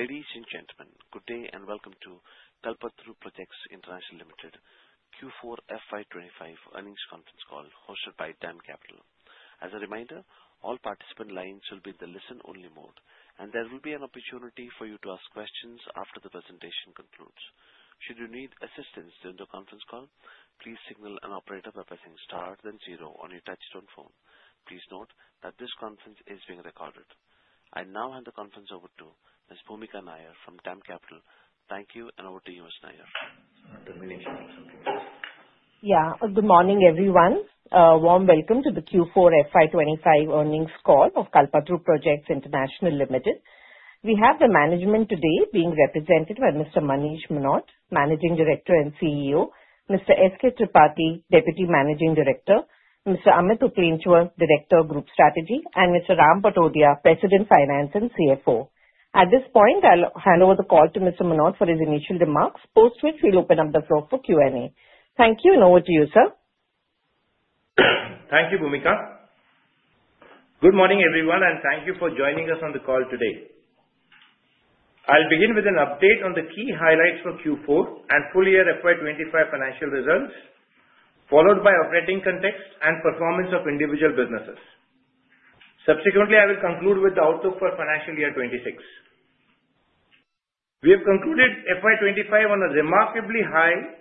Ladies and gentlemen, good day and welcome to Kalpataru Projects International Limited Q4 FY25 Earnings Conference Call hosted by DAM Capital. As a reminder, all participant lines will be in the listen-only mode, and there will be an opportunity for you to ask questions after the presentation concludes. Should you need assistance during the conference call, please signal an operator by pressing star then zero on your touchtone phone. Please note that this conference is being recorded. I now hand the conference over to Ms. Bhoomika Nair from DAM Capital. Thank you, and over to you, Ms. Nair. Yeah. Good morning, everyone. Warm welcome to the Q4 FY25 Earnings Call of Kalpataru Projects International Limited. We have the management today being represented by Mr. Manish Mohnot, Managing Director and CEO, Mr. S. K. Tripathi, Deputy Managing Director, Mr. Amit Uplenchwar, Director of Group Strategy, and Mr. Ram Patodia, President, Finance and CFO. At this point, I'll hand over the call to Mr. Mohnot for his initial remarks, after which we'll open up the floor for Q&A. Thank you, and over to you, sir. Thank you, Bhoomika. Good morning, everyone, and thank you for joining us on the call today. I'll begin with an update on the key highlights for Q4 and full year FY25 financial results, followed by operating context and performance of individual businesses. Subsequently, I will conclude with the outlook for financial year '26. We have concluded FY25 on a remarkably high,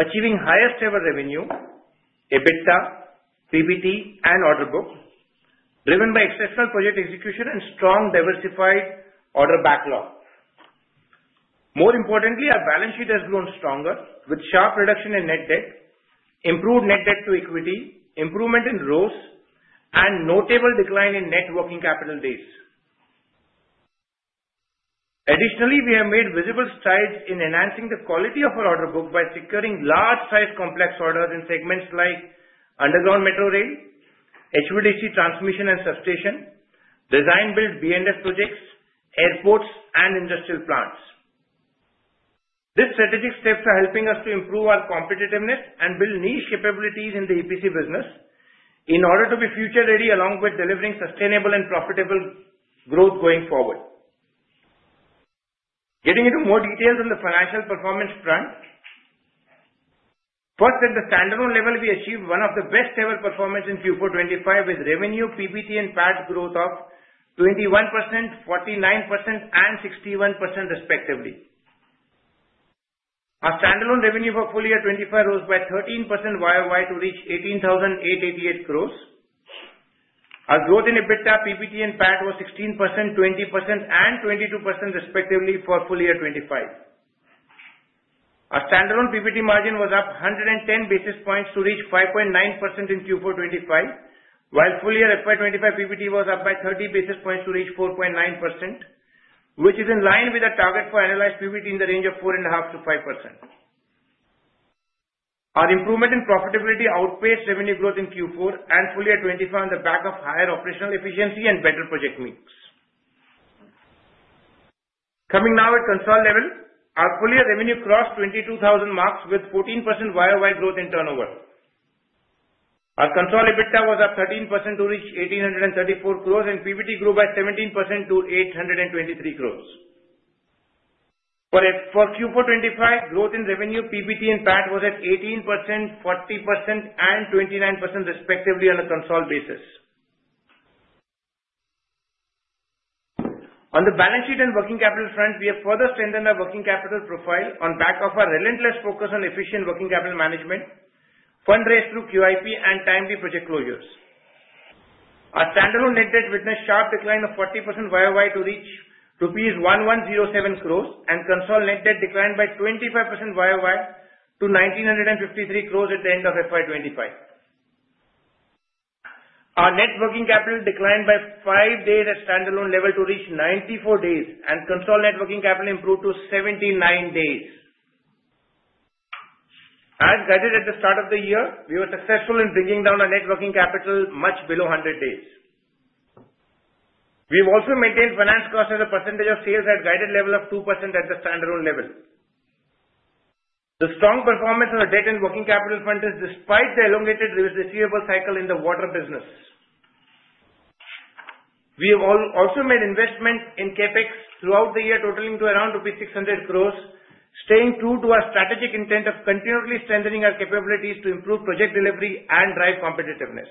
achieving highest-ever revenue, EBITDA, PBT, and order book, driven by exceptional project execution and strong diversified order backlog. More importantly, our balance sheet has grown stronger with sharp reduction in net debt, improved net debt to equity, improvement in ROS, and notable decline in net working capital days. Additionally, we have made visible strides in enhancing the quality of our order book by securing large-sized complex orders in segments like underground metro rail, HVAC transmission and substation, design-build B&F projects, airports, and industrial plants. These strategic steps are helping us to improve our competitiveness and build niche capabilities in the EPC business in order to be future-ready along with delivering sustainable and profitable growth going forward. Getting into more details on the financial performance front, first, at the standalone level, we achieved one of the best-ever performance in Q4 2025 with revenue, PBT and PAT growth of 21%, 49%, and 61%, respectively. Our standalone revenue for full year 2025 rose by 13% year-on-year to reach 18,888 crores. Our growth in EBITDA, PBT, and PAT was 16%, 20%, and 22%, respectively, for full year 2025. Our standalone PBT margin, was up 110 basis points to reach 5.9% in Q4 2025, while full year FY 2025, PBT was up by 30 basis points to reach 4.9%, which is in line with our target for annualized PBT in the range of 4.5%-5%. Our improvement in profitability outpaced revenue growth in Q4 and full year 2025 on the back of higher operational efficiency and better project mix. Coming now at consol level, our full year revenue crossed 22,000 marks with 14%, year-on-year growth in turnover. Our consol EBITDA was up 13%, to reach 1,834 crores, and PBT grew by 17%, to 823 crores. For Q4 2025, growth in revenue, PBT, and PAT was at 18%, 40%, and 29%, respectively, on a consol basis. On the balance sheet and working capital front, we have further strengthened our working capital profile on the back of our relentless focus on efficient working capital management, funds raised through QIP, and timely project closures. Our standalone net debt witnessed a sharp decline of 40%, year-on-year to reach rupees 1,107 crores, and consol net debt declined by 25%, year-on-year to 1,953 crores at the end of FY 2025. Our net working capital declined by five days at standalone level to reach 94 days, and consol net working capital improved to 79 days. As guided at the start of the year, we were successful in bringing down our net working capital much below 100 days. We have also maintained finance cost as a percentage of sales at guided level of 2%, at the standalone level. The strong performance of the debt and working capital fund is despite the elongated receivable cycle in the water business. We have also made investment in CapEx throughout the year, totaling to around 600 crores, staying true to our strategic intent of continually strengthening our capabilities to improve project delivery and drive competitiveness.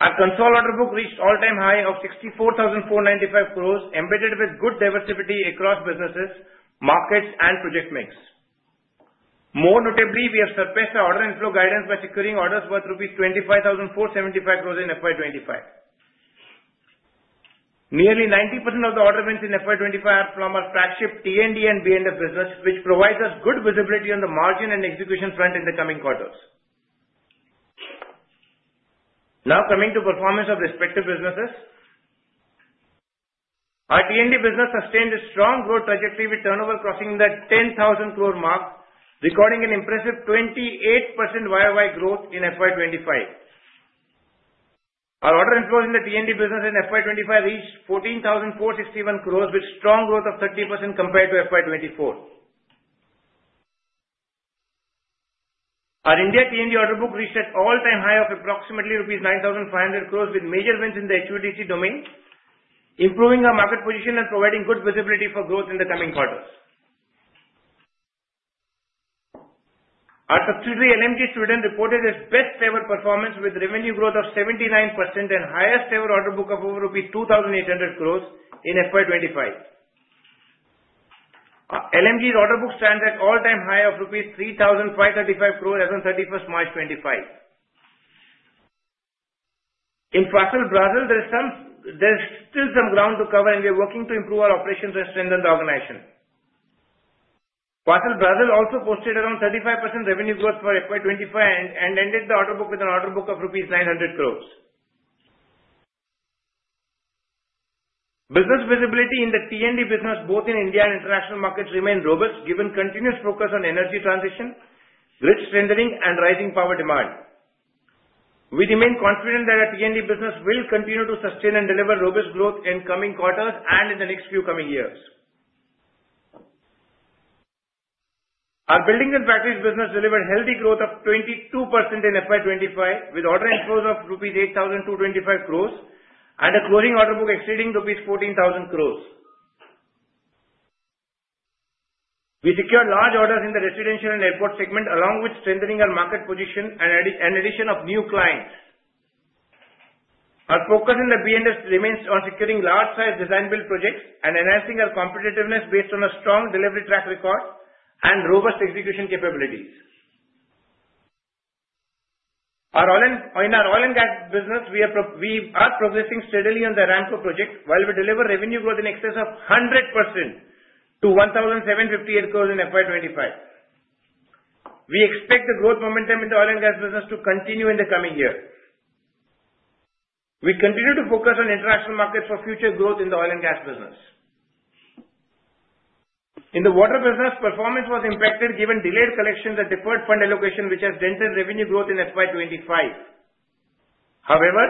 Our consol order book reached an all-time high of 64,495 crores, embedded with good diversity across businesses, markets, and project mix. More notably, we have surpassed our order inflow guidance by securing orders worth INR 25,475 crores in FY 2025. Nearly 90%, of the order wins in FY 2025 are from our flagship T&D and B&F business, which provides us good visibility on the margin and execution front in the coming quarters. Now, coming to performance of respective businesses, our T&D business sustained a strong growth trajectory with turnover crossing the 10,000 crore mark, recording an impressive 28%, year-on-year growth in FY 2025. Our order inflows in the T&D business in FY 2025 reached 14,461 crores, with a strong growth of 30%, compared to FY 2024. Our India T&D order book reached an all-time high of approximately rupees 9,500 crores, with major wins in the HVAC domain, improving our market position and providing good visibility for growth in the coming quarters. Our subsidiary LMG Sweden reported its best-ever performance with revenue growth of 79%, and highest-ever order book of over rupees 2,800 crores in FY 2025. LMG's order book stands at an all-time high of 3,535 crores rupees as of 31st March 2025. In Fasttel, Brazil, there is still some ground to cover, and we are working to improve our operations and strengthen the organization. Fasttel, Brazil also posted around 35%, revenue growth for FY 2025 and ended with an order book of rupees 900 crores. Business visibility in the T&D business, both in India and international markets, remained robust given continuous focus on energy transition, grid strengthening, and rising power demand. We remain confident that our T&D business will continue to sustain and deliver robust growth in coming quarters and in the next few coming years. Our buildings and factories business delivered healthy growth of 22%, in FY 2025, with order inflows of rupees 8,225 crores and a closing order book exceeding rupees 14,000 crores. We secured large orders in the residential and airport segment, along with strengthening our market position and the addition of new clients. Our focus in the B&F remains on securing large-sized design-build projects and enhancing our competitiveness based on a strong delivery track record and robust execution capabilities. In our oil and gas business, we are progressing steadily on the Aramco project, while we deliver revenue growth in excess of 100%, to 1,758 crores in FY 2025. We expect the growth momentum in the oil and gas business to continue in the coming year. We continue to focus on international markets for future growth in the oil and gas business. In the water business, performance was impacted given delayed collection and deferred fund allocation, which has dented revenue growth in FY 2025. However,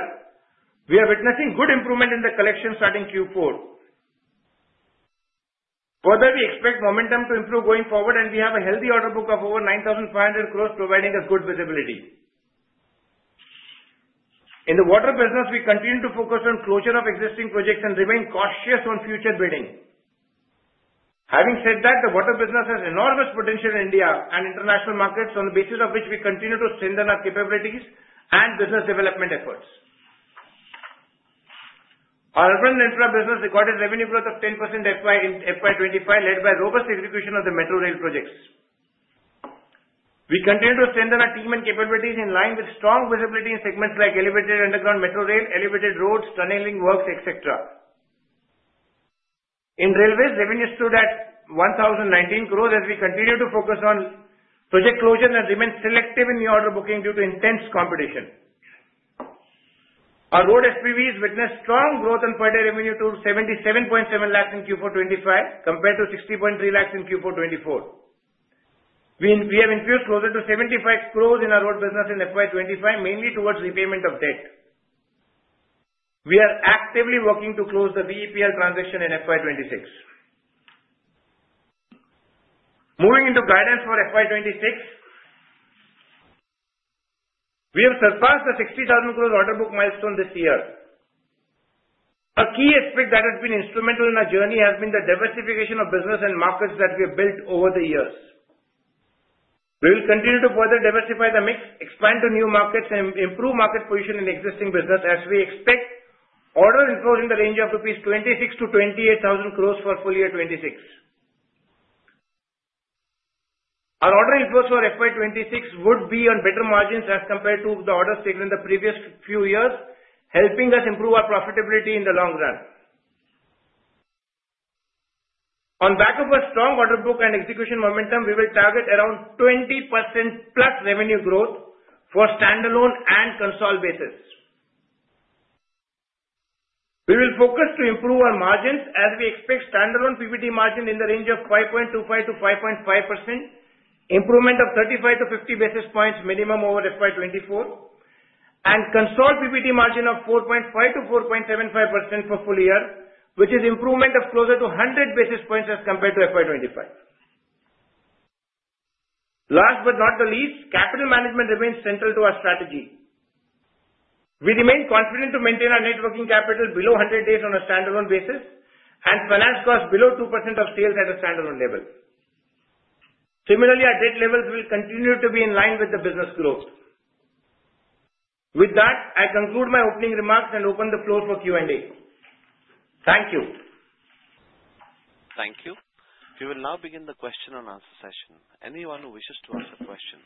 we are witnessing good improvement in the collection starting Q4. Further, we expect momentum to improve going forward, and we have a healthy order book of over 9,500 crores, providing us good visibility. In the water business, we continue to focus on closure of existing projects and remain cautious on future bidding. Having said that, the water business has enormous potential in India and international markets, on the basis of which we continue to strengthen our capabilities and business development efforts. Our urban and infra business recorded revenue growth of 10%, FY 2025, led by robust execution of the metro rail projects. We continue to strengthen our team and capabilities in line with strong visibility in segments like elevated underground metro rail, elevated roads, tunneling works, etc. In railways, revenues stood at 1,019 crores as we continue to focus on project closures and remain selective in new order booking due to intense competition. Our road SPVs witnessed strong growth and per day revenue to 77.7 lakhs in Q4 2025 compared to 60.3 lakhs in Q4 2024. We have infused closer to 75 crores in our road business in FY 2025, mainly towards repayment of debt. We are actively working to close the VEPL transaction in FY 2026. Moving into guidance for FY 2026, we have surpassed the 60,000 crores order book milestone this year. A key aspect that has been instrumental in our journey has been the diversification of business and markets that we have built over the years. We will continue to further diversify the mix, expand to new markets, and improve market position in existing business, as we expect order inflows in the range of 26,000-28,000 crores rupees for full year 2026. Our order inflows for FY 2026 would be on better margins as compared to the orders taken in the previous few years, helping us improve our profitability in the long run. On back of a strong order book and execution momentum, we will target around 20%, plus revenue growth for standalone and consol basis. We will focus to improve our margins as we expect standalone PBT margin, in the range of 5.25%-5.5%, improvement of 35-50 basis points, minimum over FY 2024, and consol PBT margin, of 4.5%-4.75% for full year, which is improvement of closer to 100 basis points, as compared to FY 2025. Last but not the least, capital management remains central to our strategy. We remain confident to maintain our net working capital below 100 days on a standalone basis and finance cost below 2%, of sales at a standalone level. Similarly, our debt levels will continue to be in line with the business growth. With that, I conclude my opening remarks and open the floor for Q&A. Thank you. Thank you. We will now begin the question and answer session. Anyone who wishes to ask a question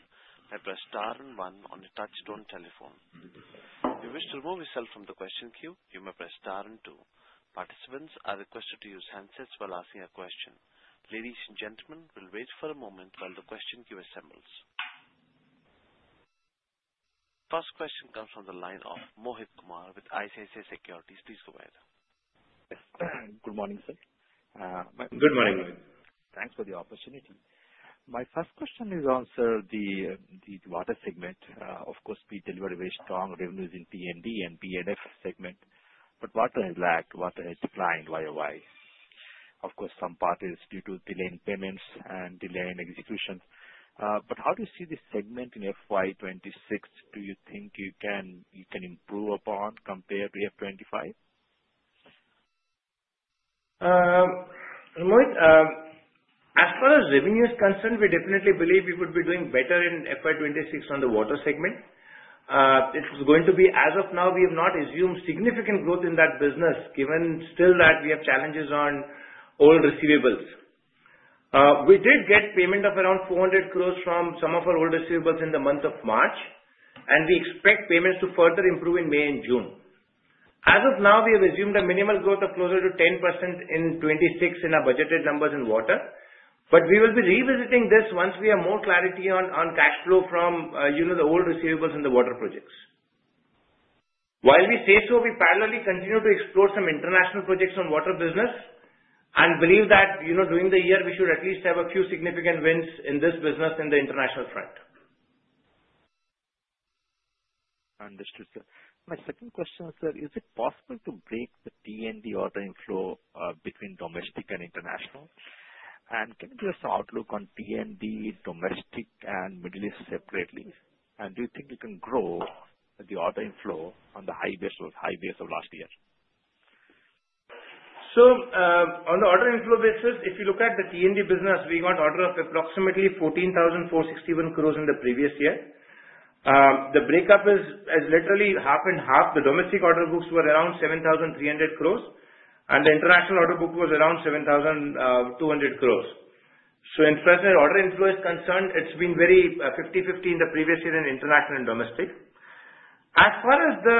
may press star and one on the touch-tone telephone. If you wish to remove yourself from the question queue, you may press star and two. Participants are requested to use handsets while asking a question. Ladies and gentlemen, we'll wait for a moment while the question queue assembles. First question comes from the line of Mohit Kumar, with ICICI Securities. Please go ahead. Good morning, sir. Good morning, Mohit. Thanks for the opportunity. My first question is on, sir, the water segment. Of course, we deliver very strong revenues in T&D and B&F segment, but water has lagged, water has declined year-on-year. Of course, some part is due to delay in payments and delay in execution. But how do you see this segment in FY 2026? Do you think you can improve upon compared to FY 2025? Mohit, as far as revenue is concerned, we definitely believe we would be doing better in FY 2026 on the water segment. It's going to be as of now, we have not assumed significant growth in that business, given still that we have challenges on old receivables. We did get payment of around 400 crores from some of our old receivables in the month of March, and we expect payments to further improve in May and June. As of now, we have assumed a minimal growth of closer to 10%, in 2026 in our budgeted numbers in water, but we will be revisiting this once we have more clarity on cash flow from the old receivables in the water projects. While we say so, we parallelly continue to explore some international projects on water business and believe that during the year, we should at least have a few significant wins in this business in the international front. Understood, sir. My second question, sir, is it possible to break the T&D order inflow between domestic and international? And can you give us an outlook on T&D, domestic, and Middle East separately? Do you think you can grow the order inflow on the high base of last year? Sir, on the order inflow basis, if you look at the T&D business, we got order of approximately 14,461 crores in the previous year. The breakup is literally half and half. The domestic order books were around 7,300 crores, and the international order book was around 7,200 crores. So in terms of order inflow is concerned, it's been very 50-50 in the previous year in international and domestic. As far as the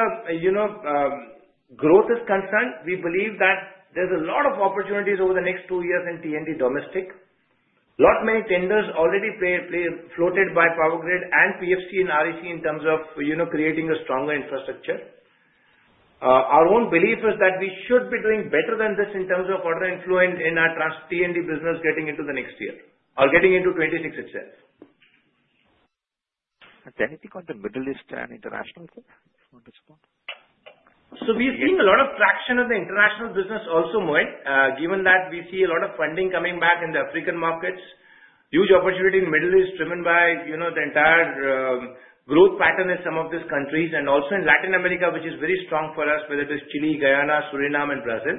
growth is concerned, we believe that there's a lot of opportunities over the next two years in T&D domestic. A lot many tenders already floated by Power Grid and PFC and REC in terms of creating a stronger infrastructure. Our own belief is that we should be doing better than this in terms of order inflow in our T&D business getting into the next year or getting into 2026 itself. And anything on the Middle East and international, sir? So we've seen a lot of traction in the international business also, Mohit, given that we see a lot of funding coming back in the African markets. Huge opportunity in Middle East driven by the entire growth pattern in some of these countries and also in Latin America, which is very strong for us, whether it is Chile, Guyana, Suriname, and Brazil.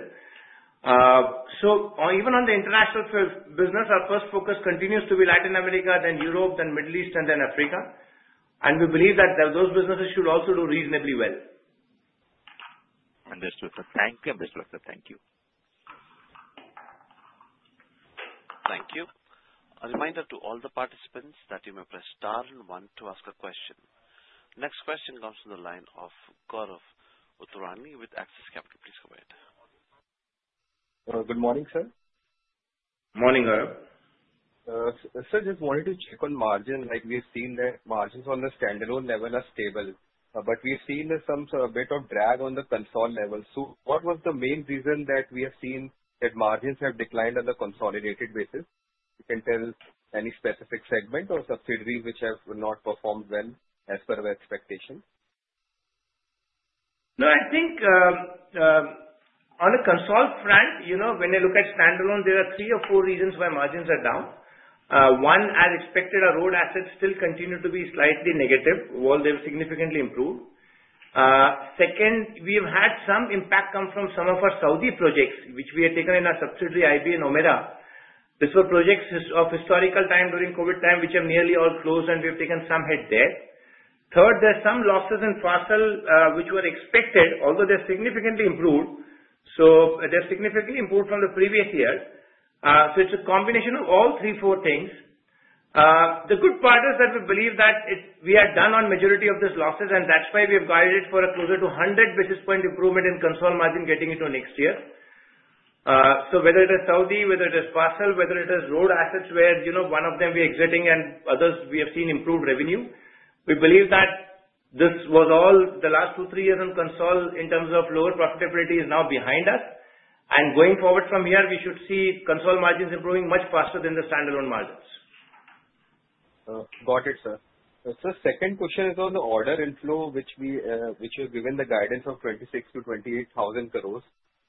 So even on the international business, our first focus continues to be Latin America, then Europe, then Middle East, and then Africa. And we believe that those businesses should also do reasonably well. Understood. Thank you, Mr. Thank you. Thank you. A reminder to all the participants that you may press star and one to ask a question. Next question comes from the line of Gaurav Uttrani, with Axis Capital. Please go ahead. Good morning, sir. Morning, Gaurav. Sir, just wanted to check on margin. We have seen that margins on the standalone level are stable, but we have seen some bit of drag on the consol level. So what was the main reason that we have seen that margins have declined on the consolidated basis? You can tell any specific segment or subsidiary which have not performed well as per our expectation? No, I think on the consol front, when I look at standalone, there are three or four reasons why margins are down. One, as expected, our road assets still continue to be slightly negative, while they have significantly improved. Second, we have had some impact come from some of our Saudi projects, which we have taken in our subsidiary Ibn Omairah. These were projects of historical time during COVID time, which have nearly all closed, and we have taken some bad debt. Third, there are some losses in Fasttel, which were expected, although they have significantly improved. So they have significantly improved from the previous year. So it's a combination of all three, four things. The good part is that we believe that we are done on majority of these losses, and that's why we have guided for a closer to 100 basis point improvement in consol margin getting into next year. So whether it is Saudi, whether it is Fasttel, whether it is road assets where one of them we are exiting and others we have seen improved revenue, we believe that this was all the last two, three years on consol in terms of lower profitability is now behind us. And going forward from here, we should see consol margins improving much faster than the standalone margins. Got it, sir. Sir, second question is on the order inflow, which you have given the guidance of 26,000-28,000 crores.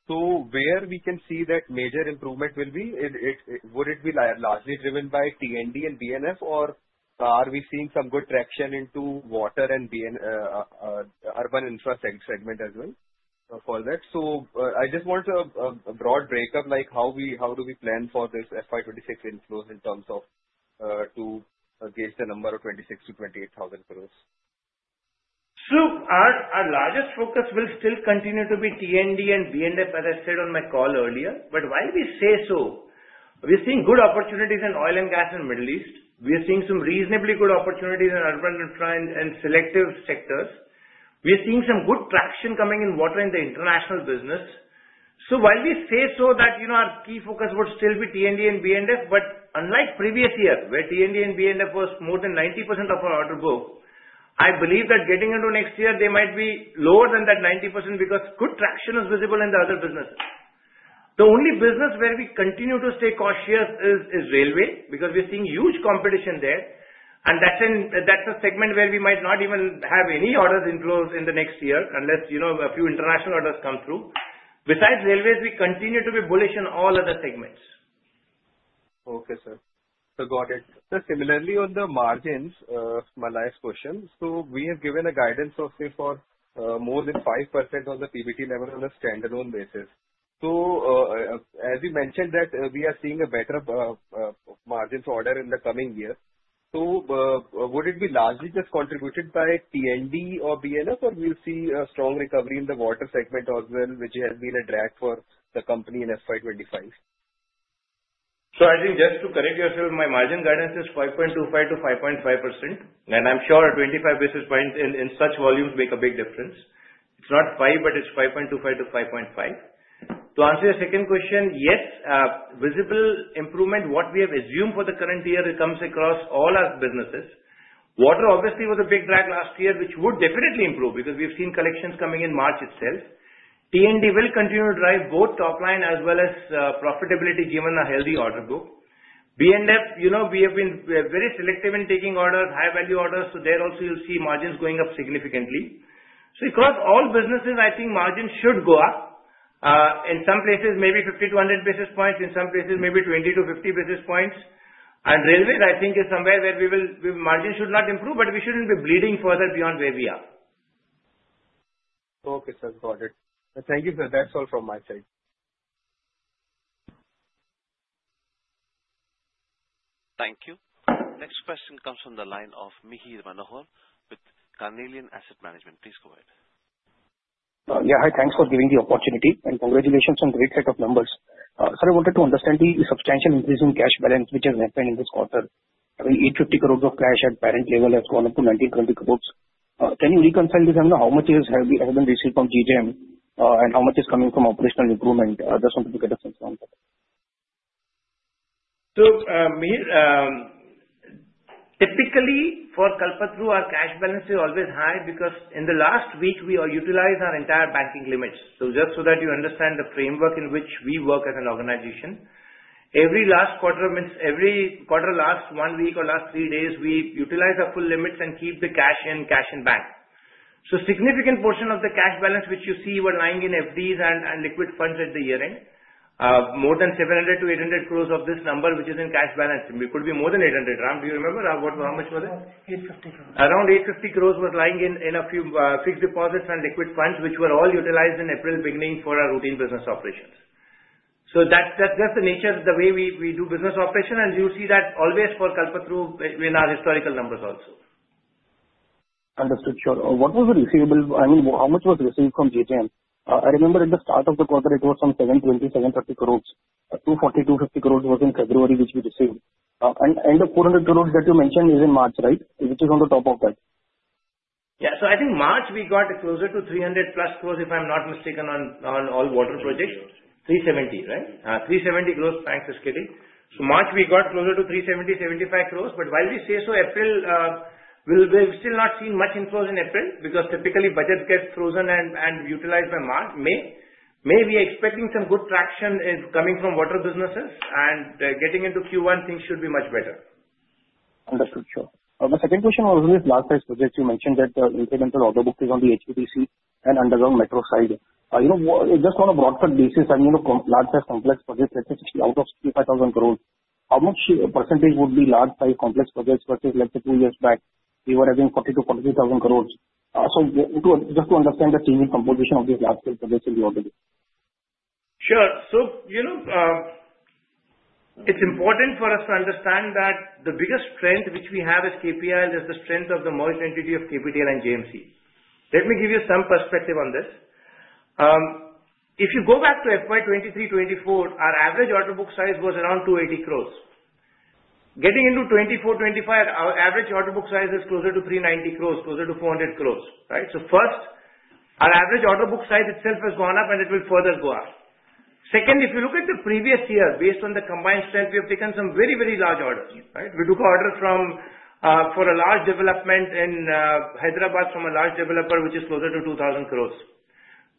So where we can see that major improvement will be, would it be largely driven by T&D and B&F, or are we seeing some good traction into water and urban infra segment as well for that? So I just want a broad breakup, like how do we plan for this FY 2026 inflows in terms of to gauge the number of 26,000-28,000 crores? Sir, our largest focus will still continue to be T&D and B&F, as I said on my call earlier. But while we say so, we are seeing good opportunities in oil and gas in the Middle East. We are seeing some reasonably good opportunities in urban infra and selective sectors. We are seeing some good traction coming in water in the international business. So while we say so that our key focus would still be T&D and B&F, but unlike previous year, where T&D and B&F was more than 90%, of our order book, I believe that getting into next year, they might be lower than that 90%, because good traction is visible in the other businesses. The only business where we continue to stay cautious is railway because we are seeing huge competition there, and that's a segment where we might not even have any orders inflows in the next year unless a few international orders come through. Besides railways, we continue to be bullish in all other segments. Okay, sir. Got it. Sir, similarly on the margins, my last question, so we have given a guidance of say for more than 5% on the PBT level on a standalone basis, so as you mentioned that we are seeing a better margin for order in the coming year, so would it be largely just contributed by T&D or B&F, or we'll see a strong recovery in the water segment as well, which has been a drag for the company in FY 2025? So I think just to correct yourself, my margin guidance is 5.25%-5.5%. And I'm sure 25 basis points, in such volumes make a big difference. It's not 5, but it's 5.25-5.5. To answer your second question, yes, visible improvement, what we have assumed for the current year, it comes across all our businesses. Water, obviously, was a big drag last year, which would definitely improve because we've seen collections coming in March itself. T&D will continue to drive both top line as well as profitability given a healthy order book. B&F, we have been very selective in taking orders, high-value orders. So there also, you'll see margins going up significantly. So across all businesses, I think margins should go up. In some places, maybe 50-100 basis points. In some places, maybe 20-50 basis points. And railways, I think, is somewhere where margins should not improve, but we shouldn't be bleeding further beyond where we are. Okay, sir. Got it. Thank you, sir. That's all from my side. Thank you. Next question comes from the line of Mihir Manohar, with Carnelian Asset Management. Please go ahead. Yeah, hi. Thanks for giving the opportunity and congratulations on the great set of numbers. Sir, I wanted to understand the substantial increase in cash balance, which has happened in this quarter. I mean, 850 crores of cash at parent level has gone up to 19-20 crores. Can you reconcile this? I don't know how much has been received from JJM and how much is coming from operational improvement. I just wanted to get a sense on that. So, Mihir, typically, for Kalpataru, our cash balance is always high because in the last week, we utilized our entire banking limits. Just so that you understand the framework in which we work as an organization, every last quarter end, every quarter last one week or last three days, we utilize our full limits and keep the cash in cash and bank. A significant portion of the cash balance, which you see, were lying in FDs and liquid funds at the year-end, more than 700-800 crores of this number, which is in cash balance. It could be more than 800. Do you remember how much was it? 850 crores. Around 850 crores was lying in a few fixed deposits and liquid funds, which were all utilized in April beginning for our routine business operations. That's the nature of the way we do business operation. You'll see that always for Kalpataru in our historical numbers also. Understood. Sure. What was the receivable? I mean, how much was received from GJM? I remember at the start of the quarter, it was some 720-730 crores. 240-250 crores was in February, which we received. And the 400 crores that you mentioned is in March, right? Which is on the top of that? Yeah. So I think March we got closer to 300 plus crores, if I'm not mistaken, on all water projects. 370, right? 370 crores. Thanks, SKT. So March we got closer to 370-375 crores. But while we say so, April, we've still not seen much inflows in April because typically budgets get frozen and utilized by May. May we are expecting some good traction coming from water businesses and getting into Q1, things should be much better. Understood. Sure. My second question was on this large-size project. You mentioned that the international order book is on the HVDC and underground metro side. Just on a broadest basis, I mean, large-size complex projects, let's say out of 65,000 crores, how much % would be large-size complex projects versus, let's say, two years back, we were having 40-45,000 crores? So just to understand the team composition of these large-size projects in the order book. Sure. So it's important for us to understand that the biggest strength, which we have as KPIL, is the strength of the merged entity of KPTL and JMC. Let me give you some perspective on this. If you go back to FY 23,24, our average order book size was around 280 crores. Getting into 24,25, our average order book size is closer to 390 crores, closer to 400 crores, right? So first, our average order book size itself has gone up, and it will further go up. Second, if you look at the previous year, based on the combined strength, we have taken some very, very large orders, right? We took orders for a large development in Hyderabad from a large developer, which is closer to 2,000 crores.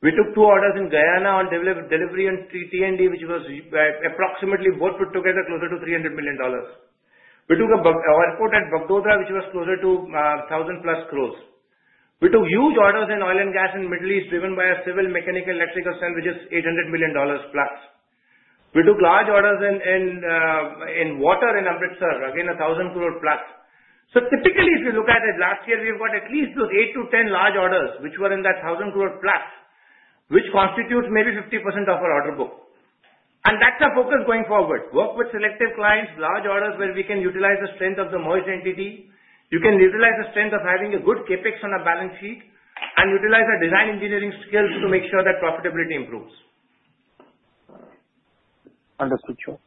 We took two orders in Guyana on delivery and T&D, which was approximately both put together closer to $300 million. We took an airport at Bagdogra, which was closer to 1,000 plus crores. We took huge orders in oil and gas in the Middle East, driven by a civil mechanical electrical stand, which is $800 million plus. We took large orders in water in Amritsar, again, 1,000 crore plus. So typically, if you look at it, last year, we've got at least those 8 to 10 large orders, which were in that 1,000 crore plus, which constitutes maybe 50% of our order book. And that's our focus going forward: work with selective clients, large orders where we can utilize the strength of the merged entity. You can utilize the strength of having a good CapEx on a balance sheet and utilize our design engineering skills to make sure that profitability improves. Understood. Sure.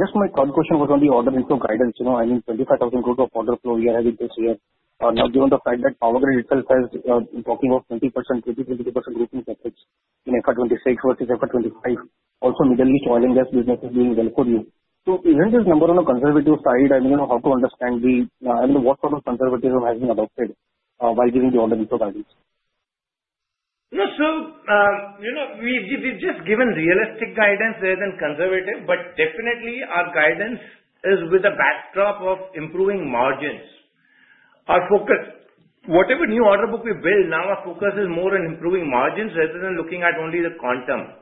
Just my third question was on the order inflow guidance. I mean, 25,000 crores of order inflow we are having this year. Now, given the fact that Power Grid itself has been talking about 20%, 20, 22% growth metrics in FY 26 versus FY 25, also Middle East oil and gas businesses doing well for you. So even this number on a conservative side, I mean, how to understand the, I mean, what sort of conservatism has been adopted while giving the order inflow guidance? Yes. So we've just given realistic guidance rather than conservative, but definitely our guidance is with a backdrop of improving margins. Our focus, whatever new order book we build now, our focus is more on improving margins rather than looking at only the quantum.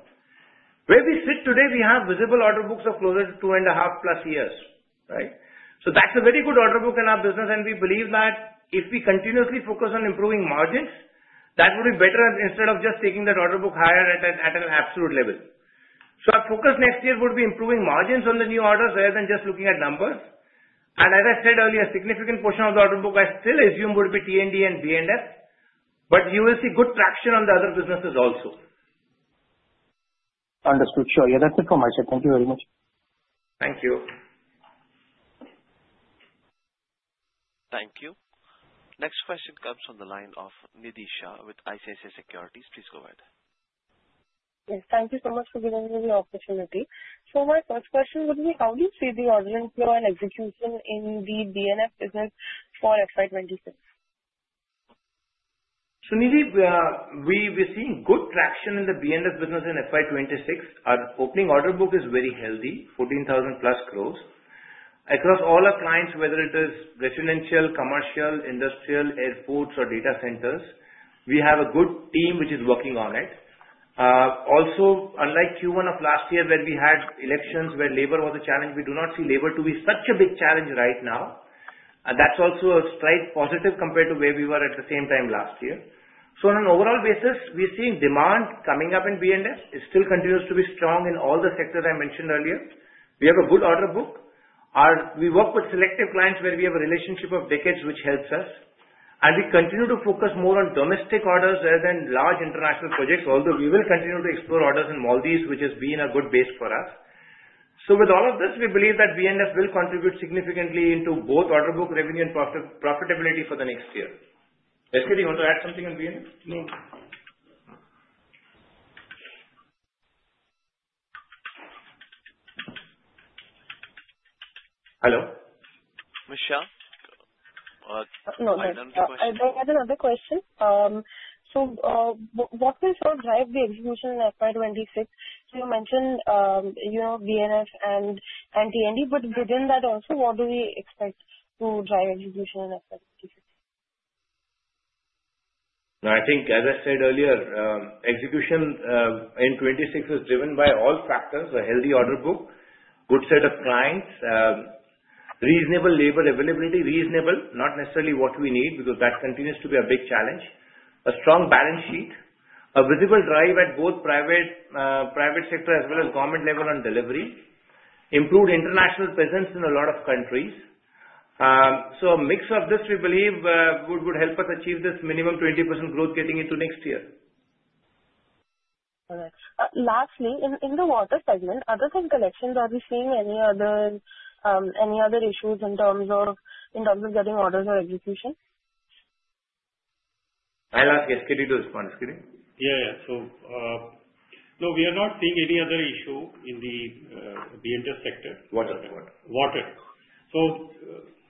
Where we sit today, we have visible order books of closer to two and a half plus years, right? So that's a very good order book in our business. And we believe that if we continuously focus on improving margins, that would be better instead of just taking that order book higher at an absolute level. So our focus next year would be improving margins on the new orders rather than just looking at numbers. As I said earlier, a significant portion of the order book I still assume would be T&D and B&F, but you will see good traction on the other businesses also. Understood. Sure. Yeah, that's it from my side. Thank you very much. Thank you. Thank you. Next question comes from the line of Nidhi Shah, with ICICI Securities. Please go ahead. Yes. Thank you so much for giving me the opportunity. My first question would be, how do you see the order inflow and execution in the B&F business for FY 26? Nidhi Shah, we're seeing good traction in the B&F business in FY 26. Our opening order book is very healthy, 14,000 plus crores. Across all our clients, whether it is residential, commercial, industrial, airports, or data centers, we have a good team which is working on it. Also, unlike Q1 of last year, where we had elections where labor was a challenge, we do not see labor to be such a big challenge right now. That's also a stark positive compared to where we were at the same time last year. So on an overall basis, we're seeing demand coming up in B&F. It still continues to be strong in all the sectors I mentioned earlier. We have a good order book. We work with selective clients where we have a relationship of decades, which helps us. And we continue to focus more on domestic orders rather than large international projects, although we will continue to explore orders in Maldives, which has been a good base for us. So with all of this, we believe that B&F will contribute significantly into both order book revenue and profitability for the next year. S.K., do you want to add something on B&F? No. Hello? Michelle? No, no. I had another question. So what will sort of drive the execution in FY 26? So you mentioned B&F and T&D, but within that also, what do we expect to drive execution in FY 26? No, I think, as I said earlier, execution in 26 is driven by all factors: a healthy order book, good set of clients, reasonable labor availability, reasonable, not necessarily what we need because that continues to be a big challenge, a strong balance sheet, a visible drive at both private sector as well as government level on delivery, improved international presence in a lot of countries. So a mix of this, we believe, would help us achieve this minimum 20%, growth getting into next year. Lastly, in the water segment, other than collections, are we seeing any other issues in terms of getting orders or execution? I'll ask S.K. to respond. S.K.? Yeah, yeah. So no, we are not seeing any other issue in the B&F sector. Water. So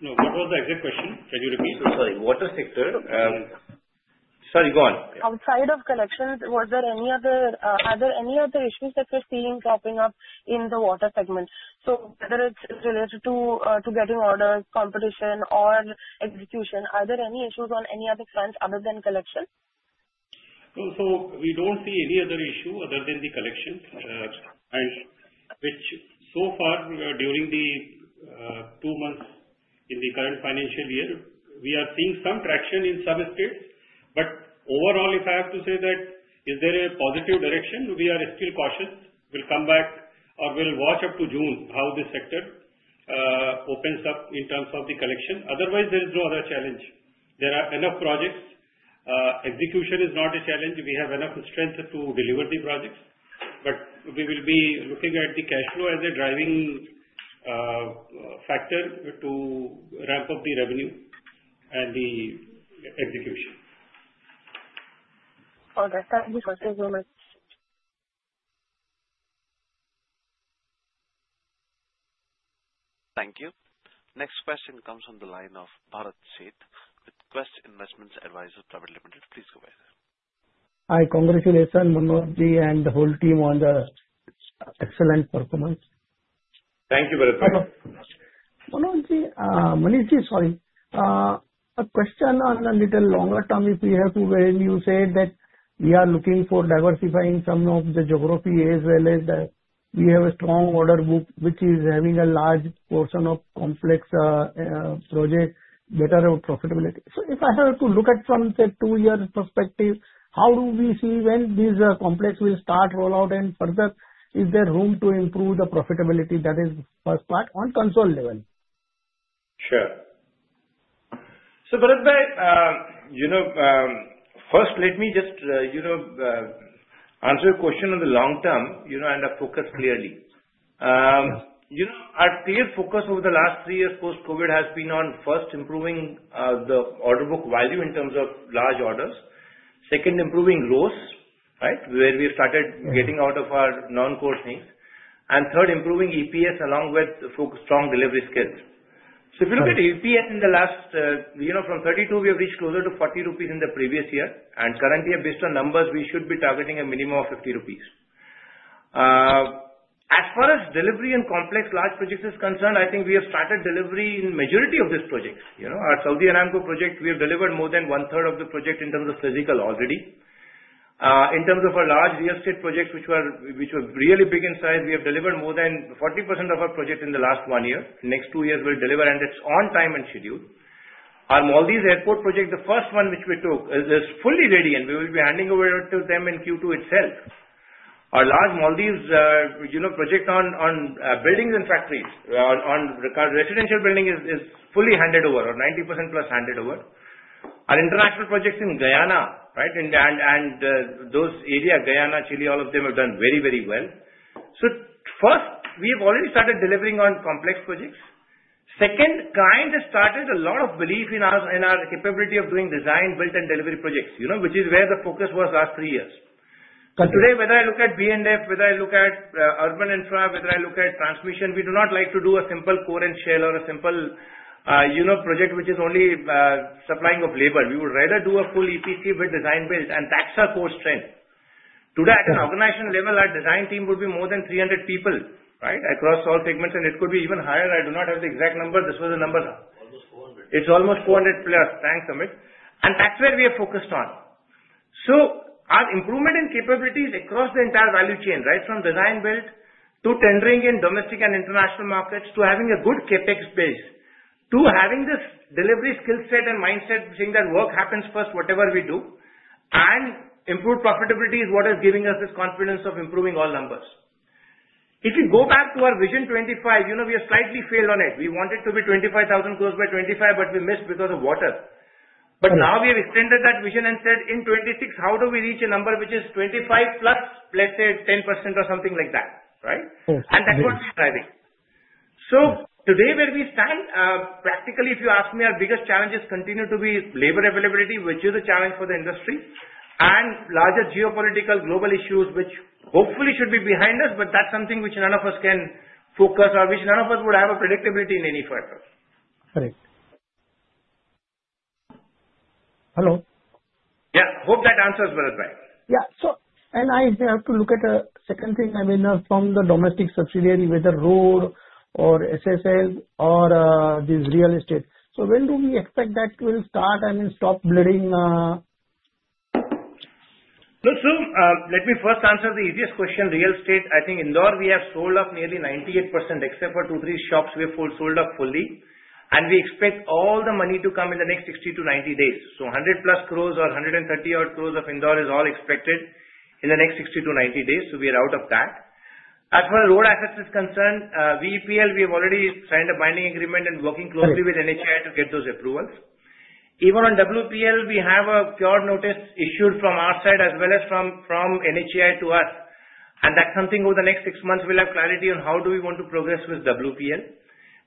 no, what was the exact question? Can you repeat? Sorry. Water sector. Sorry. Go on. Outside of collections, were there any other issues that you're seeing popping up in the water segment? So whether it's related to getting orders, competition, or execution, are there any issues on any other fronts other than collection? No, so we don't see any other issue other than the collection, which so far during the two months in the current financial year, we are seeing some traction in some states. But overall, if I have to say that is there a positive direction, we are still cautious. We'll come back or we'll watch up to June how the sector opens up in terms of the collection. Otherwise, there is no other challenge. There are enough projects. Execution is not a challenge. We have enough strength to deliver the projects. But we will be looking at the cash flow as a driving factor to ramp up the revenue and the execution. All right. Thank you, sir. Thank you very much. Thank you. Next question comes from the line of Bharat Sheth, with Quest Investment Advisors. Please go ahead. Hi. Congratulations, Manish and the whole team on the excellent performance. Thank you very much. Manish, sorry. A question on a little longer term, if you have to, when you say that we are looking for diversifying some of the geography as well as we have a strong order book which is having a large portion of complex projects, better profitability. So if I have to look at from, say, two-year perspective, how do we see when these complex will start rollout and further, is there room to improve the profitability? That is the first part on consolidated level. Sure. So, Bharat, first, let me just answer your question on the long term and focus clearly. Our clear focus over the last three years post-COVID has been on, first, improving the order book value in terms of large orders, second, improving gross, right, where we started getting out of our non-core things, and third, improving EPS along with strong delivery skills. If you look at EPS in the last from 32, we have reached closer to 40 rupees in the previous year. And currently, based on numbers, we should be targeting a minimum of 50 rupees. As far as delivery and complex large projects is concerned, I think we have started delivery in the majority of these projects. Our Saudi Aramco project, we have delivered more than one-third of the project in terms of physical already. In terms of our large real estate projects, which were really big in size, we have delivered more than 40%, of our project in the last one year. Next two years, we'll deliver, and it's on time and scheduled. Our Maldives airport project, the first one which we took, is fully ready, and we will be handing over to them in Q2 itself. Our large Maldives project on buildings and factories, on residential building, is fully handed over or 90%, plus handed over. Our international projects in Guyana, right, and those areas, Guyana, Chile, all of them have done very, very well. So first, we have already started delivering on complex projects. Second, clients have started a lot of belief in our capability of doing design, build, and delivery projects, which is where the focus was last three years. But today, whether I look at B&F, whether I look at urban infra, whether I look at transmission, we do not like to do a simple core and shell or a simple project which is only supplying of labor. We would rather do a full EPC with design-build, and that's our core strength. Today, at an organizational level, our design team would be more than 300 people, right, across all segments, and it could be even higher. I do not have the exact number. This was the number. Almost 400. It's almost 400 plus. Thanks, Amit. And that's where we are focused on. So our improvement in capabilities across the entire value chain, right, from design-build to tendering in domestic and international markets to having a good CapEx base to having this delivery skill set and mindset saying that work happens first, whatever we do, and improved profitability is what is giving us this confidence of improving all numbers. If you go back to our Vision 25, we have slightly failed on it. We wanted to be 25,000 crores by 25, but we missed because of water. But now we have extended that vision and said, in 2026, how do we reach a number which is 25 plus, let's say, 10%, or something like that, right? And that's what we are driving. So today, where we stand, practically, if you ask me, our biggest challenges continue to be labor availability, which is a challenge for the industry, and larger geopolitical global issues, which hopefully should be behind us, but that's something which none of us can focus or which none of us would have a predictability in any further. Correct. Hope that answers, Bharat. Yeah. So. And I have to look at a second thing, I mean, from the domestic subsidiary, whether road or SSL or this real estate. So when do we expect that will start, I mean, stop bleeding? No, so let me first answer the easiest question. Real estate, I think Indore, we have sold off nearly 98%, except for two, three shops we have sold off fully, and we expect all the money to come in the next 60 to 90 days. 100 plus crores or 130 crores of Indore is all expected in the next 60 to 90 days, so we are out of that. As for road assets is concerned, VEPL, we have already signed a binding agreement and working closely with NHAI to get those approvals. Even on WEPL, we have a cure notice issued from our side as well as from NHAI to us, and that's something over the next six months, we'll have clarity on how do we want to progress with WEPL.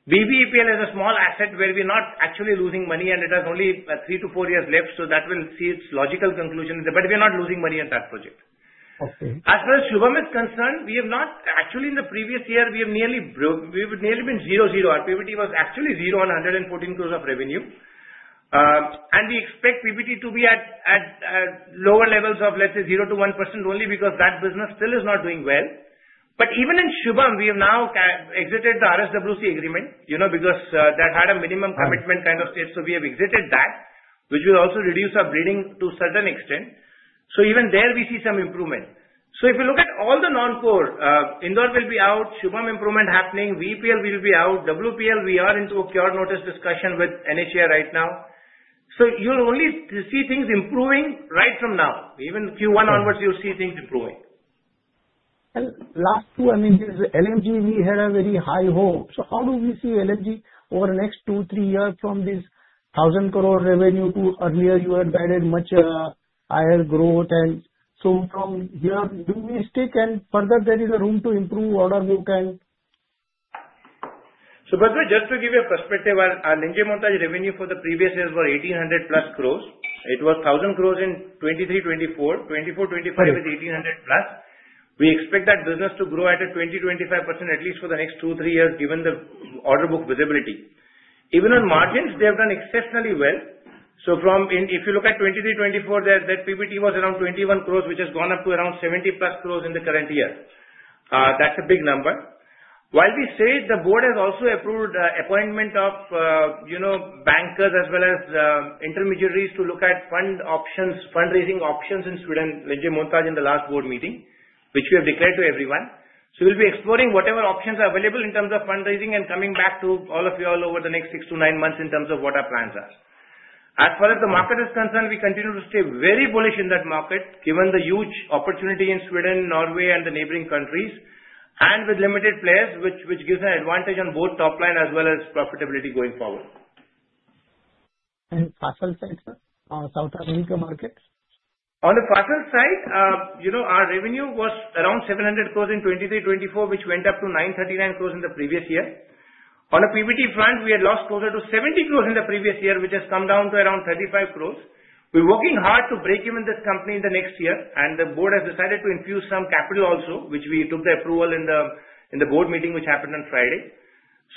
BBEPL is a small asset where we're not actually losing money, and it has only three to four years left, so that will see its logical conclusion. But we are not losing money at that project. As far as Shubham is concerned, we have not actually in the previous year, we have nearly been zero, zero. Our PBT was actually zero on 114 crores of revenue. And we expect PBT to be at lower levels of, let's say, 0%-1%, only because that business still is not doing well. But even in Shubham, we have now exited the RSWC agreement because that had a minimum commitment kind of state. So we have exited that, which will also reduce our bleeding to a certain extent. So even there, we see some improvement. So if you look at all the non-core, Indore will be out, Shubham improvement happening, VEPL will be out, WEPL, we are into a cure notice discussion with NHAI right now. So you'll only see things improving right from now. Even Q1 onwards, you'll see things improving. Last two, I mean, this is LMG, we had a very high hope. So how do we see LMG over the next two, three years from this 1,000 crore revenue to earlier you had guided much higher growth? And so from here, do we stick and further there is a room to improve order book and? So Bharatbhai, just to give you a perspective, our Linjemontage revenue for the previous years was 1,800+ crores. It was 1,000 crores in 2023, 2024. 2024, 2025 is 1,800+. We expect that business to grow at a 20%-25% at least for the next two, three years given the order book visibility. Even on margins, they have done exceptionally well. If you look at 23, 24, that PBT was around 21 crores, which has gone up to around 70 crores in the current year. That's a big number. While we say the board has also approved appointment of bankers as well as intermediaries to look at fund options, fundraising options in Sweden, Linjemontage in the last board meeting, which we have declared to everyone. We'll be exploring whatever options are available in terms of fundraising and coming back to all of you all over the next six to nine months in terms of what our plans are. As far as the market is concerned, we continue to stay very bullish in that market given the huge opportunity in Sweden, Norway, and the neighboring countries, and with limited players, which gives an advantage on both top line as well as profitability going forward. And Fasttel side, sir? South Africa market? On the fossil side, our revenue was around 700 crores in 2023, 2024, which went up to 939 crores in the previous year. On the PBT front, we had lost closer to 70 crores in the previous year, which has come down to around 35 crores. We're working hard to break even this company in the next year. And the board has decided to infuse some capital also, which we took the approval in the board meeting, which happened on Friday.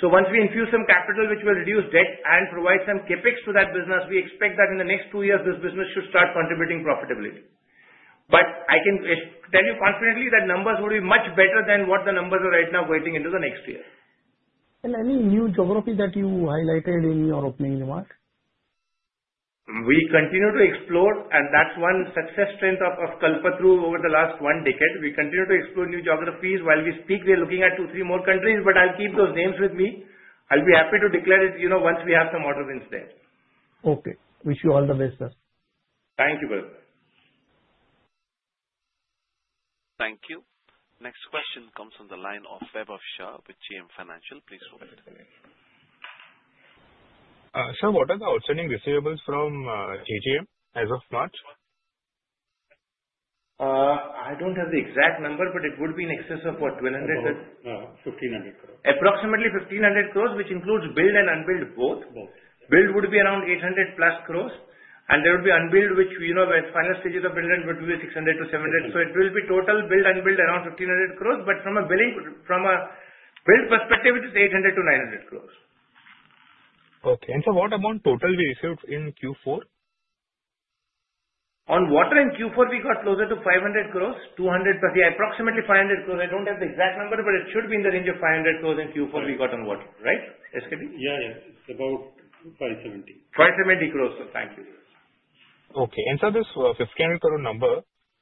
So once we infuse some capital, which will reduce debt and provide some Capex to that business, we expect that in the next two years, this business should start contributing profitability. But I can tell you confidently that numbers will be much better than what the numbers are right now waiting into the next year. And any new geography that you highlighted in your opening remark? We continue to explore, and that's one success strength of Kalpataru over the last one decade. We continue to explore new geographies. While we speak, we are looking at two, three more countries, but I'll keep those names with me. I'll be happy to declare it once we have some orders instead. Okay. Wish you all the best, sir. Thank you, Bharatbhai. Thank you. Next question comes from the line of Vaibhav Shah from JM Financial. Please go ahead. Sir, what are the outstanding receivables from Jharkhand as of March? I don't have the exact number, but it would be in excess of what? 1,200? 1,500 crores. Approximately 1,500 crores, which includes billed and unbilled both. Billed would be around 800 plus crores. And there would be unbilled, which in final stages of billing would be 600-700. So it will be total billed and unbilled around 1,500 crores. But from a billed perspective, it is 800-900 crores. Okay. And sir, what amount total we received in Q4? On water in Q4, we got closer to 500 crores, 200 plus. Yeah, approximately 500 crores. I don't have the exact number, but it should be in the range of 500 crores in Q4 we got on water, right? SKT? Yeah, yeah. It's about 570. 570 crores, sir. Thank you. Okay. And sir, this 1,500 crore number,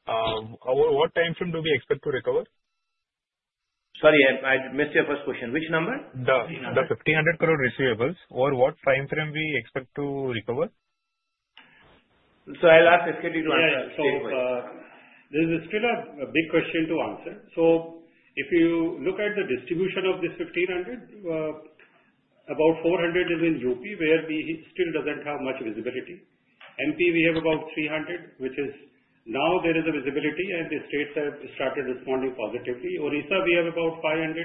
over what time frame do we expect to recover? Sorry, I missed your first question. Which number? The 1,500 crore receivables over what time frame we expect to recover? So I'll ask SKD to answer. Yeah, yeah. So this is still a big question to answer. So if you look at the distribution of this 1,500, about 400 is in UP where we still don't have much visibility. MP, we have about 300, which is now there is visibility and the states have started responding positively. Odisha, we have about 500.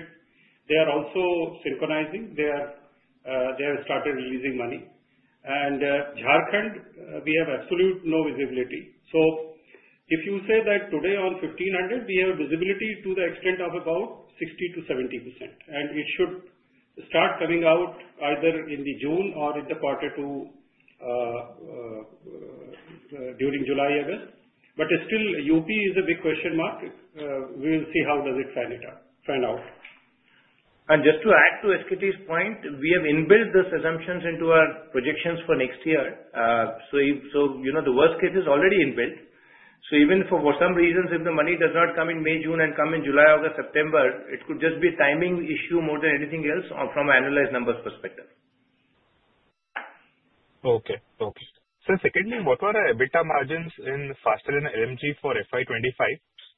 They are also synchronizing. They have started releasing money. And Jharkhand, we have absolutely no visibility. So if you say that today on 1,500, we have visibility to the extent of about 60%-70%. And it should start coming out either in June or in quarter two during July, August. But still, UP is a big question mark. We will see how does it find out. And just to add to SKD's point, we have inbuilt those assumptions into our projections for next year. So the worst case is already inbuilt. So even for some reasons, if the money does not come in May, June, and come in July, August, September, it could just be a timing issue more than anything else from an analyzed numbers perspective. Okay. Okay. So secondly, what were the EBITDA margins in Fasttel and LMG for FY25?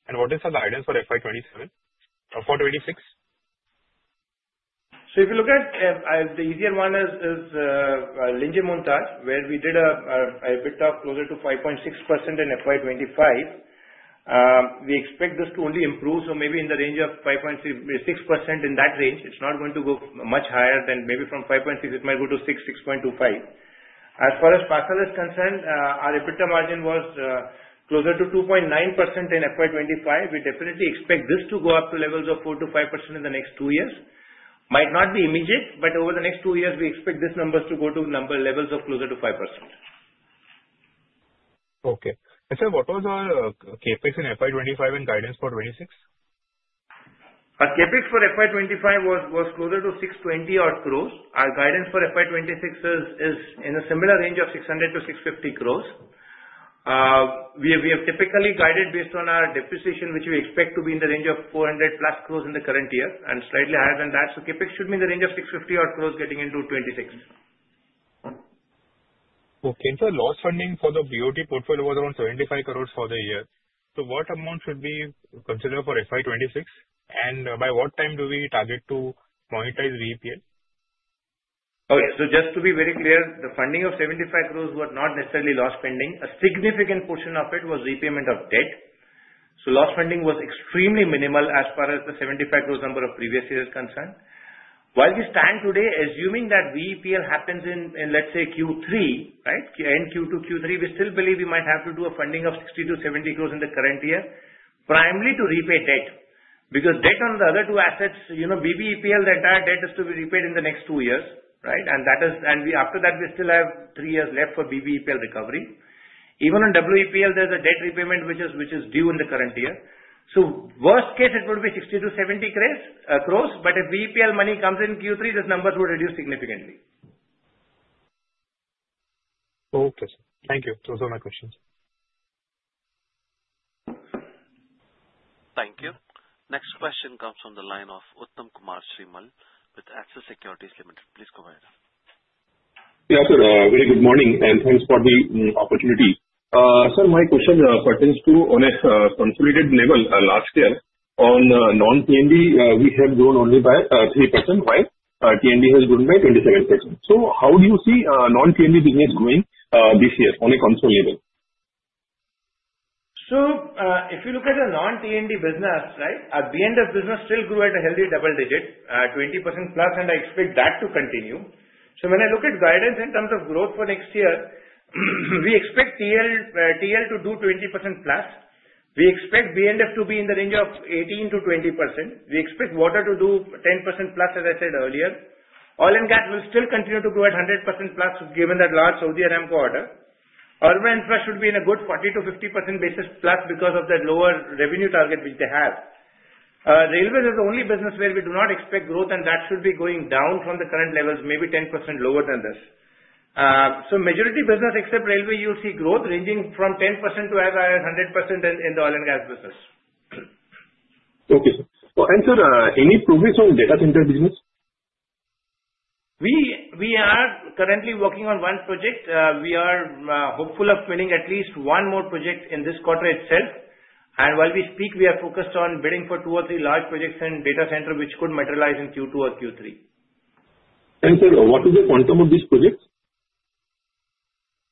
And what is the guidance for FY27 or FY26? So if you look at the easier one is Linjaemontage, where we did an EBITDA closer to 5.6% in FY25. We expect this to only improve, so maybe in the range of 5.6% in that range. It's not going to go much higher than maybe from 5.6%, it might go to 6%-6.25%. As far as Fasttel is concerned, our EBITDA margin was closer to 2.9% in FY25. We definitely expect this to go up to levels of 4%-5% in the next two years. Might not be immediate, but over the next two years, we expect these numbers to go to levels of closer to 5%. Okay. And sir, what was our Capex in FY 2025 and guidance for 2026? Our Capex for FY 2025 was closer to 620 crores. Our guidance for FY 2026 is in a similar range of 600-650 crores. We have typically guided based on our depreciation, which we expect to be in the range of 400+ crores in the current year and slightly higher than that. So Capex should be in the range of 650 crores getting into 2026. Okay. And sir, loss funding for the BOT portfolio was around 75 crores for the year. So what amount should be considered for FY 2026? And by what time do we target to monetize VEPL? Okay. So just to be very clear, the funding of 75 crore was not necessarily loss funding. A significant portion of it was repayment of debt. So loss funding was extremely minimal as far as the 75 crore number of previous years concerned. While we stand today, assuming that VEPL happens in, let's say, Q3, right, end Q2, Q3, we still believe we might have to do a funding of 60 crore-70 crore in the current year, primarily to repay debt. Because debt on the other two assets, BBEPL, the entire debt is to be repaid in the next two years, right? And after that, we still have three years left for BBEPL recovery. Even on WEPL, there's a debt repayment which is due in the current year. So worst case, it would be 60 crore-70 crore. But if VEPL money comes in Q3, this number would reduce significantly. Okay, sir. Thank you. Those are my questions. Thank you. Next question comes from the line of Uttam Kumar Srimal with Axis Securities Limited. Please go ahead. Yeah, sir. Very good morning and thanks for the opportunity. Sir, my question pertains to on a consolidated level last year on non-TND, we have grown only by 3%. While TND has grown by 27%. So how do you see non-TND business growing this year on a consolidated level? So if you look at the non-TND business, right, B&F business still grew at a healthy double digit, 20% plus, and I expect that to continue. So when I look at guidance in terms of growth for next year, we expect TL to do 20% plus. We expect B&F to be in the range of 18%-20%. We expect water to do 10% plus, as I said earlier. Oil and gas will still continue to grow at 100% plus given that large Saudi Aramco order. Urban infrastructure should be in a good 40%-50% basis plus because of that lower revenue target which they have. Railways is the only business where we do not expect growth, and that should be going down from the current levels, maybe 10% lower than this. So majority business, except railway, you'll see growth ranging from 10% to as high as 100% in the oil and gas business. Okay, sir. And sir, any progress on data center business? We are currently working on one project. We are hopeful of winning at least one more project in this quarter itself. And while we speak, we are focused on bidding for two or three large projects in data center, which could materialize in Q2 or Q3. Sir, what is the quantum of these projects?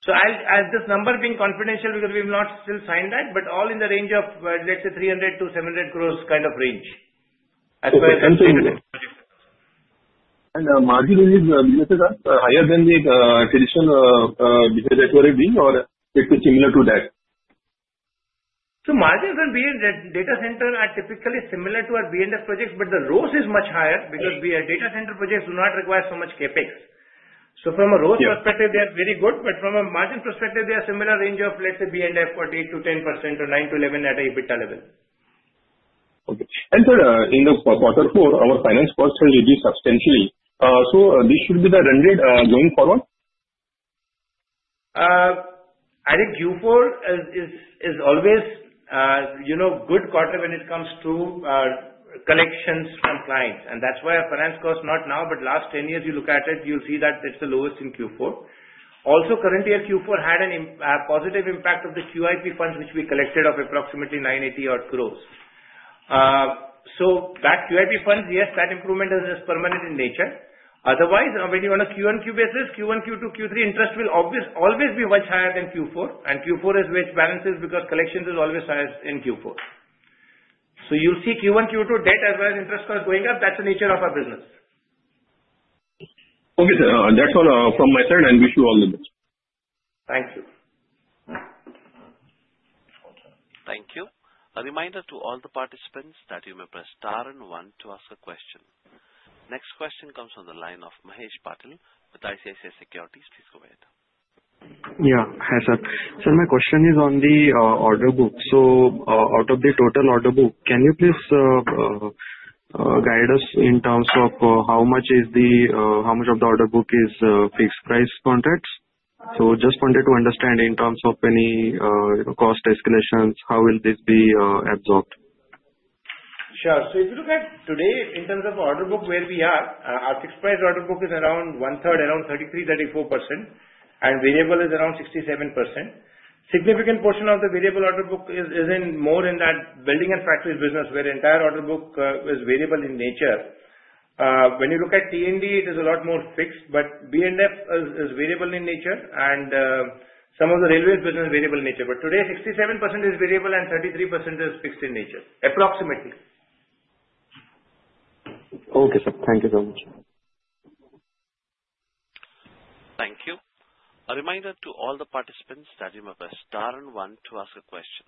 So this number being confidential because we have not yet signed that, but all in the range of, let's say, 300-700 crores kind of range. As far as I understand. And the margin in these businesses are higher than the traditional businesses that were doing or a bit similar to that? So margins on data center are typically similar to our B&F projects, but the ROS is much higher because data center projects do not require so much capex. So from a ROS perspective, they are very good, but from a margin perspective, they are similar range of, let's say, B&F or 8%-10% or 9%-11% at an EBITDA level. Okay. And sir, in the quarter four, our finance cost has reduced substantially. So this should be the run rate going forward? I think Q4 is always a good quarter when it comes to collections from clients. And that's why our finance cost, not now, but last 10 years you look at it, you'll see that it's the lowest in Q4. Also, current year, Q4 had a positive impact of the QIP funds which we collected of approximately 980 crores. So that QIP funds, yes, that improvement is permanent in nature. Otherwise, when you're on a Q1, Q basis, Q1, Q2, Q3, interest will always be much higher than Q4. And Q4 is with balances because collections are always higher in Q4. So you'll see Q1, Q2 debt as well as interest cost going up. That's the nature of our business. Okay, sir. That's all from my side, and wish you all the best. Thank you. Thank you. A reminder to all the participants that you may press star and one to ask a question. Next question comes from the line of Mahesh Patil with ICICI Securities. Please go ahead. Yeah, hi sir. Sir, my question is on the order book. So out of the total order book, can you please guide us in terms of how much of the order book is fixed price contracts? So just wanted to understand in terms of any cost escalations, how will this be absorbed? Sure. So if you look at today in terms of order book where we are, our fixed price order book is around one third, around 33-34%, and variable is around 67%. Significant portion of the variable order book is more in that building and factories business where the entire order book is variable in nature. When you look at T&D, it is a lot more fixed, but B&F is variable in nature, and some of the railways business is variable in nature. But today, 67% is variable and 33% is fixed in nature, approximately. Okay, sir. Thank you so much. Thank you. A reminder to all the participants that you may press star and one to ask a question.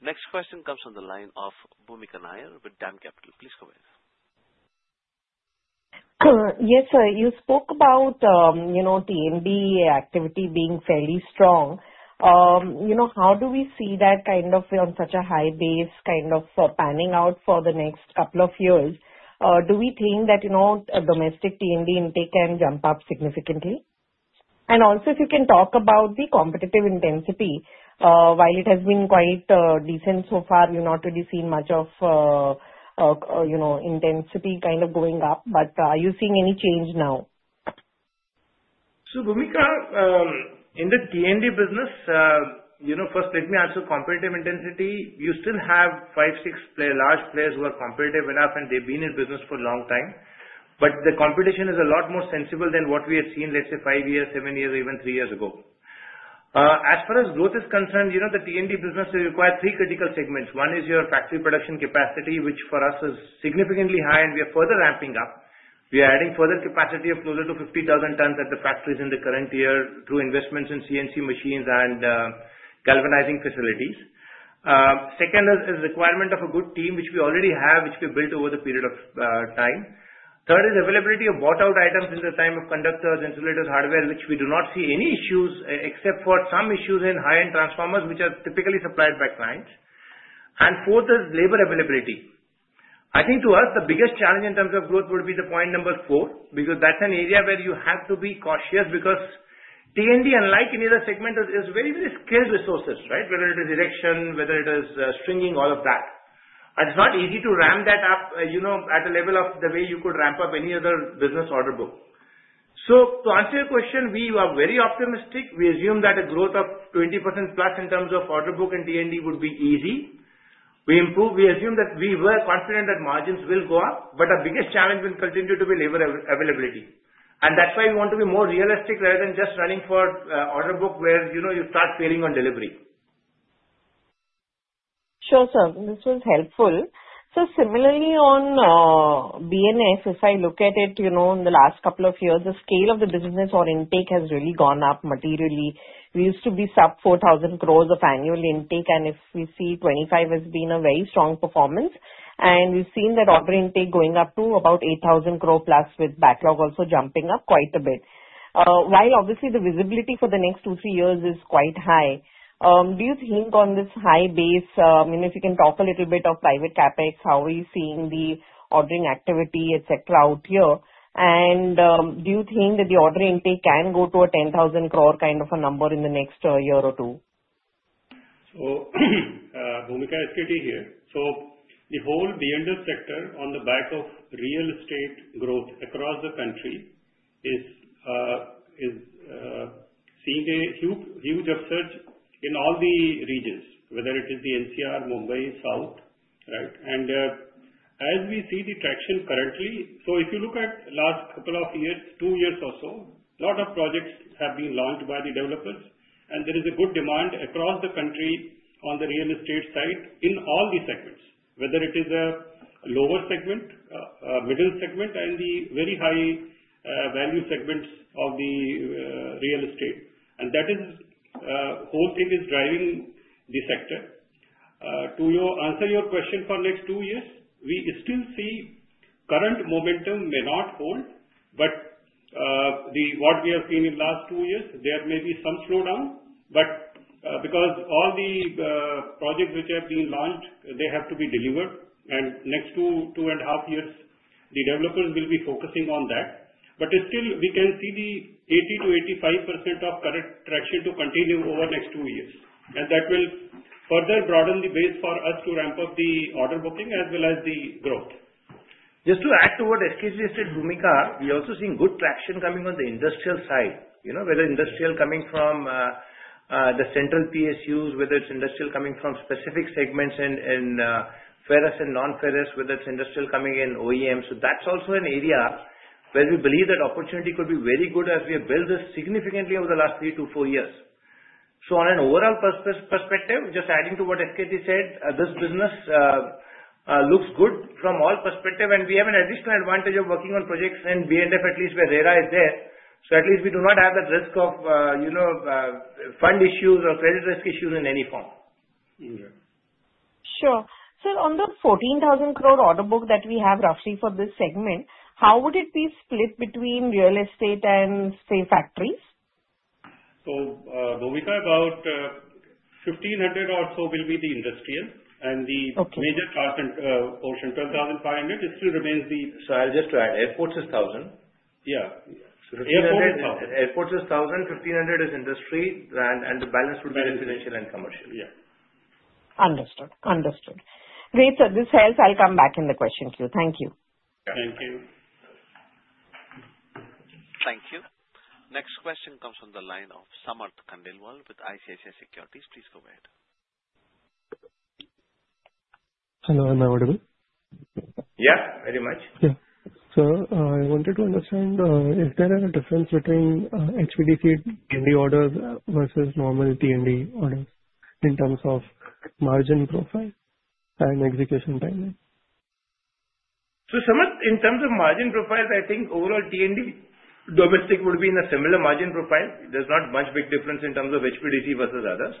Next question comes from the line of Bhoomika Nair with DAM Capital. Please go ahead. Yes, sir. You spoke about T&D activity being fairly strong. How do we see that kind of on such a high base kind of panning out for the next couple of years? Do we think that domestic T&D intake can jump up significantly? And also, if you can talk about the competitive intensity? While it has been quite decent so far, you've not really seen much of intensity kind of going up, but are you seeing any change now? So Bhoomika, in the T&D business, first, let me answer competitive intensity. You still have five, six large players who are competitive enough, and they've been in business for a long time. But the competition is a lot more sensible than what we had seen, let's say, five years, seven years, or even three years ago. As far as growth is concerned, the T&D business requires three critical segments. One is your factory production capacity, which for us is significantly high, and we are further ramping up. We are adding further capacity of closer to 50,000 tons at the factories in the current year through investments in CNC machines and galvanizing facilities. Second is requirement of a good team, which we already have, which we built over the period of time. Third is availability of bought-out items in the time of conductors, insulators, hardware, which we do not see any issues except for some issues in high-end transformers, which are typically supplied by clients, and fourth is labor availability. I think to us, the biggest challenge in terms of growth would be the point number four because that's an area where you have to be cautious because T&D, unlike any other segment, is very, very skilled resources, right? Whether it is erection, whether it is stringing, all of that. It's not easy to ramp that up at a level of the way you could ramp up any other business order book, so to answer your question, we are very optimistic. We assume that a growth of 20% plus in terms of order book and T&D would be easy. We assume that we were confident that margins will go up, but our biggest challenge will continue to be labor availability. And that's why we want to be more realistic rather than just running for order book where you start failing on delivery. Sure, sir. This was helpful. So similarly on B&F, if I look at it in the last couple of years, the scale of the business or intake has really gone up materially. We used to be sub 4,000 crores of annual intake, and if we see 25 has been a very strong performance. And we've seen that order intake going up to about 8,000 crore plus with backlog also jumping up quite a bit. While obviously the visibility for the next two, three years is quite high, do you think on this high base, if you can talk a little bit of private CapEx, how are you seeing the ordering activity, etc., out here? And do you think that the order intake can go to a 10,000 crore kind of a number in the next year or two? So Bhoomika SKT here. So the whole B&F sector on the back of real estate growth across the country is seeing a huge upsurge in all the regions, whether it is the NCR, Mumbai, South, right? As we see the traction currently, so if you look at the last couple of years, two years or so, a lot of projects have been launched by the developers, and there is a good demand across the country on the real estate side in all the segments, whether it is a lower segment, middle segment, and the very high value segments of the real estate. That whole thing is driving the sector. To answer your question for next two years, we still see current momentum may not hold, but what we have seen in the last two years, there may be some slowdown, but because all the projects which have been launched, they have to be delivered. Next two and a half years, the developers will be focusing on that. But still, we can see the 80%-85% of current traction to continue over next two years. And that will further broaden the base for us to ramp up the order booking as well as the growth. Just to add to what SKT listed, Bhoomika, we are also seeing good traction coming on the industrial side, whether industrial coming from the central PSUs, whether it's industrial coming from specific segments and ferrous and non-ferrous, whether it's industrial coming in OEM. So that's also an area where we believe that opportunity could be very good as we have built this significantly over the last three to four years. So on an overall perspective, just adding to what SKT said, this business looks good from all perspectives, and we have an additional advantage of working on projects in B&F, at least where RERA is there. So at least we do not have that risk of fund issues or credit risk issues in any form. Sure. Sir, on the 14,000 crore order book that we have roughly for this segment, how would it be split between real estate and, say, factories? So Bhoomika, about 1,500 or so will be the industrial, and the major portion, 12,500, still remains the. So I'll just try it. Airports is 1,000. Yeah. Airports is 1,000, 1,500 is industry, and the balance would be residential and commercial. Yeah. Understood. Understood. Great, sir. This helps. I'll come back in the question queue. Thank you. Thank you. Thank you. Next question comes from the line of Samarth Khandelwal with ICICI Securities. Please go ahead. Hello. Am I audible? Yeah, very much. Yeah. Sir, I wanted to understand, is there a difference between HVDC T&D orders versus normal T&D orders in terms of margin profile and execution timing? So Samarth, in terms of margin profile, I think overall T&D domestic would be in a similar margin profile. There's not much big difference in terms of HVDC versus others.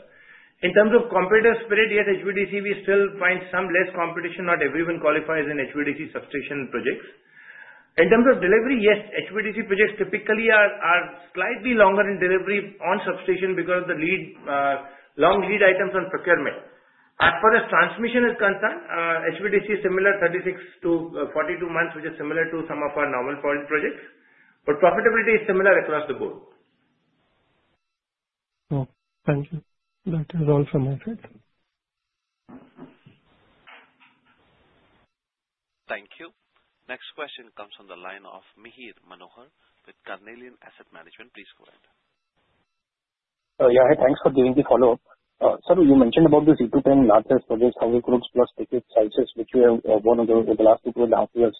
In terms of competitive spirit, yes, HVDC, we still find some less competition. Not everyone qualifies in HVDC substation projects. In terms of delivery, yes, HVDC projects typically are slightly longer in delivery on substation because of the long lead items on procurement. As far as transmission is concerned, HVDC is similar 36-42 months, which is similar to some of our normal projects. But profitability is similar across the board. Thank you. That is all from my side. Thank you. Next question comes from the line of Mihir Manohar with Carnelian Asset Management. Please go ahead. Yeah. Hey, thanks for giving the follow-up. Sir, you mentioned about the C210 large-sized projects, how it grows plus ticket sizes, which you have won over the last two and a half years.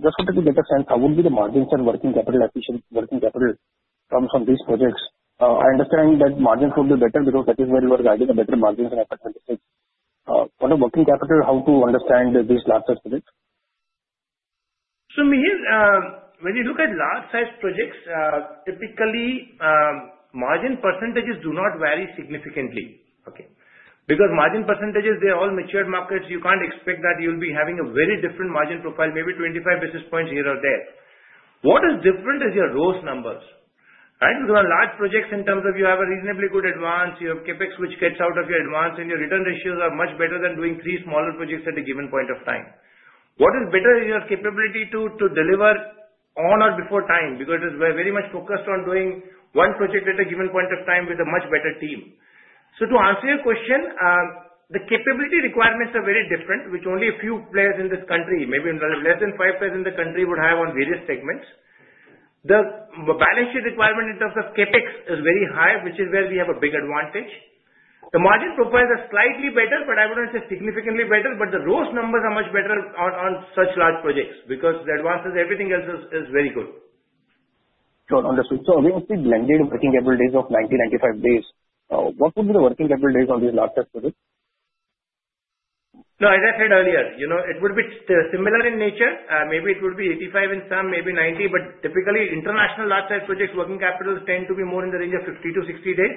Just to get a sense, how would the margins and working capital efficiency, working capital from these projects? I understand that margins would be better because that is where you are guiding to better margins and effectiveness. For the working capital, how to understand these large-sized projects? So Mihir, when you look at large-sized projects, typically margin percentages do not vary significantly. Okay. Because margin percentages, they are all mature markets. You can't expect that you'll be having a very different margin profile, maybe 25 basis points here or there. What is different is your ROS numbers, right? Because on large projects in terms of you have a reasonably good advance, you have CapEx which gets out of your advance, and your return ratios are much better than doing three smaller projects at a given point of time. What is better is your capability to deliver on or before time because we're very much focused on doing one project at a given point of time with a much better team. So to answer your question, the capability requirements are very different, which only a few players in this country, maybe less than five players in the country, would have on various segments. The balance sheet requirement in terms of CapEx is very high, which is where we have a big advantage. The margin profiles are slightly better, but I wouldn't say significantly better, but the ROS numbers are much better on such large projects because the advances, everything else is very good. Sure. Understood. So again, we speak blended working capital days of 90, 95 days. What would be the working capital days on these large-sized projects? No, as I said earlier, it would be similar in nature. Maybe it would be 85 in some, maybe 90, but typically international large-sized projects, working capitals tend to be more in the range of 50 to 60 days.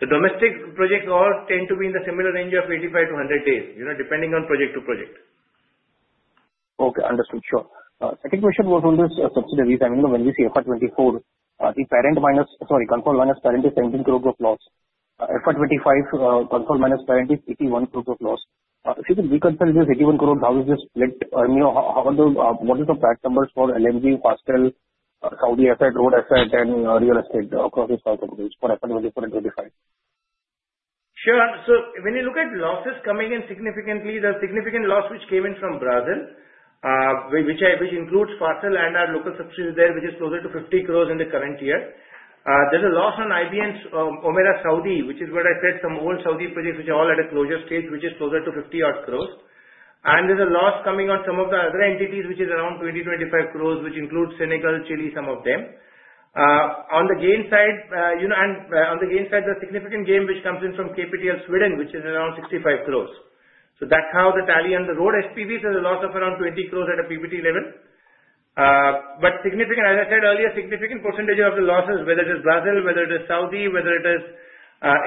The domestic projects all tend to be in the similar range of 85 to 100 days, depending on project to project. Okay. Understood. Sure. Second question was on these subsidiaries. I mean, when we see FY24, the parent minus sorry, consolidated minus parent is 17 crore gross loss. FY25, consolidated minus parent is INR 81 crore gross loss. If you can reconsider this INR 81 crore, how is this split? What is the P&L numbers for LMG, Fasttel, Saudi Asset, Road Asset, and Real Estate across these five companies for FY24 and 25? Sure. So when you look at losses coming in significantly, the significant loss which came in from Brazil, which includes Fasttel and our local subsidiaries there, which is closer to 50 crores in the current year. There's a loss on IGB's Omega Saudi, which is what I said, some old Saudi projects which are all at a closure stage, which is closer to 50-odd crores. And there's a loss coming on some of the other entities, which is around 20-25 crores, which includes Senegal, Chile, some of them. On the gain side, the significant gain which comes in from KPTL Sweden, which is around 65 crores. So that's how the tally on the road SPVs has a loss of around 20 crores at a PBT level. But significant, as I said earlier, significant percentage of the losses, whether it is Brazil, whether it is Saudi, whether it is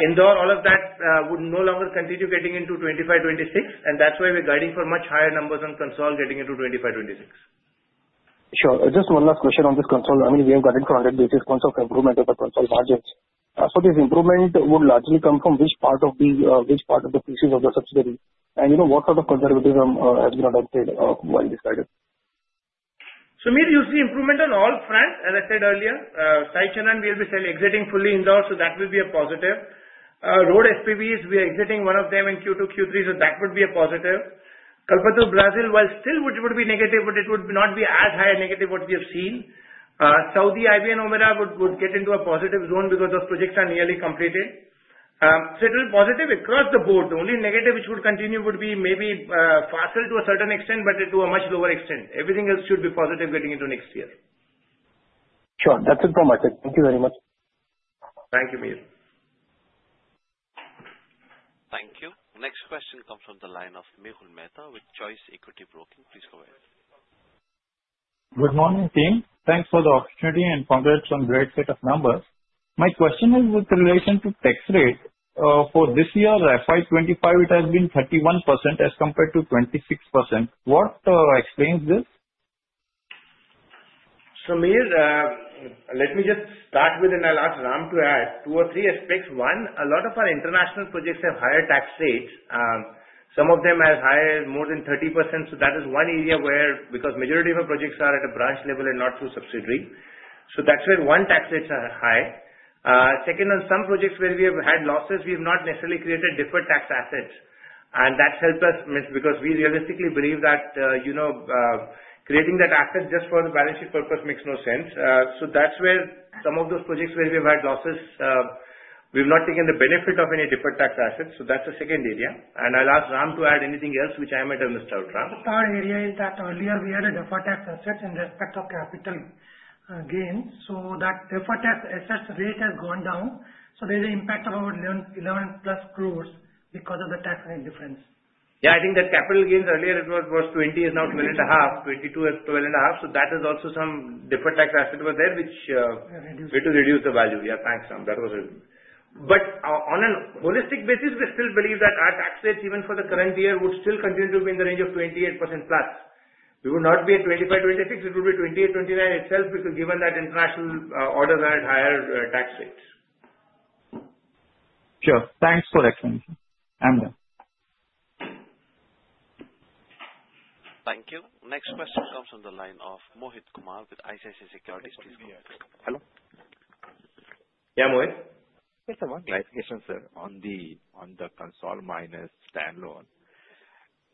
Indore, all of that would no longer continue getting into 25, 26, and that's why we're guiding for much higher numbers on consolidated getting into 25, 26. Sure. Just one last question on this consolidated. I mean, we have gotten 400 basis points of improvement of the consolidated margins. So this improvement would largely come from which part of the pieces of the subsidiary? And what sort of conservatism has been adopted while deciding? So Mihir, you see improvement on all fronts, as I said earlier. Saichal and we'll be exiting fully Indore, so that will be a positive. Road SPVs, we are exiting one of them in Q2, Q3, so that would be a positive. Kalpataru Brazil, while still would be negative, but it would not be as high a negative what we have seen. Saudi, IGB, Omega would get into a positive zone because those projects are nearly completed. So it will be positive across the board. The only negative which would continue would be maybe Fasttel to a certain extent, but to a much lower extent. Everything else should be positive getting into next year. Sure. That's it from my side. Thank you very much. Thank you, Mihir. Thank you. Next question comes from the line of Mehul Mehta with Choice Equity Broking. Please go ahead. Good morning, team. Thanks for the opportunity and congrats on a great set of numbers. My question is with relation to tax rate. For this year, FY25, it has been 31% as compared to 26%. What explains this? So Mihir, let me just start with, and I'll ask Ram to add two or three aspects. One, a lot of our international projects have higher tax rates. Some of them have higher more than 30%, so that is one area where because the majority of our projects are at a branch level and not through subsidiary. So that's where the tax rates are high. Second, on some projects where we have had losses, we have not necessarily created deferred tax assets. And that's helped us because we realistically believe that creating that asset just for the balance sheet purpose makes no sense. So that's where some of those projects where we have had losses, we've not taken the benefit of any deferred tax assets. So that's the second area. And I'll ask Ram to add anything else which I might have missed out, Ram. The third area is that earlier we had a deferred tax asset in respect of capital gains. So that deferred tax assets rate has gone down. So there's an impact of our 11 plus crores because of the tax rate difference. Yeah. I think that capital gains earlier, it was 20%, is now 12.5%. 22% is 12.5%. So that is also some deferred tax asset was there which reduced the value. Yeah. Thanks, Ram. That was it. But on a holistic basis, we still believe that our tax rates, even for the current year, would still continue to be in the range of 28% plus. We would not be at 25, 26. It would be 28, 29 itself because given that international orders are at higher tax rates. Sure. Thanks for the explanation. I'm done. Thank you. Next question comes from the line of Mohit Kumar with ICICI Securities. Please go ahead. Hello. Yeah, Mohit? Just a one-liner question, sir. On the consol minus standalone,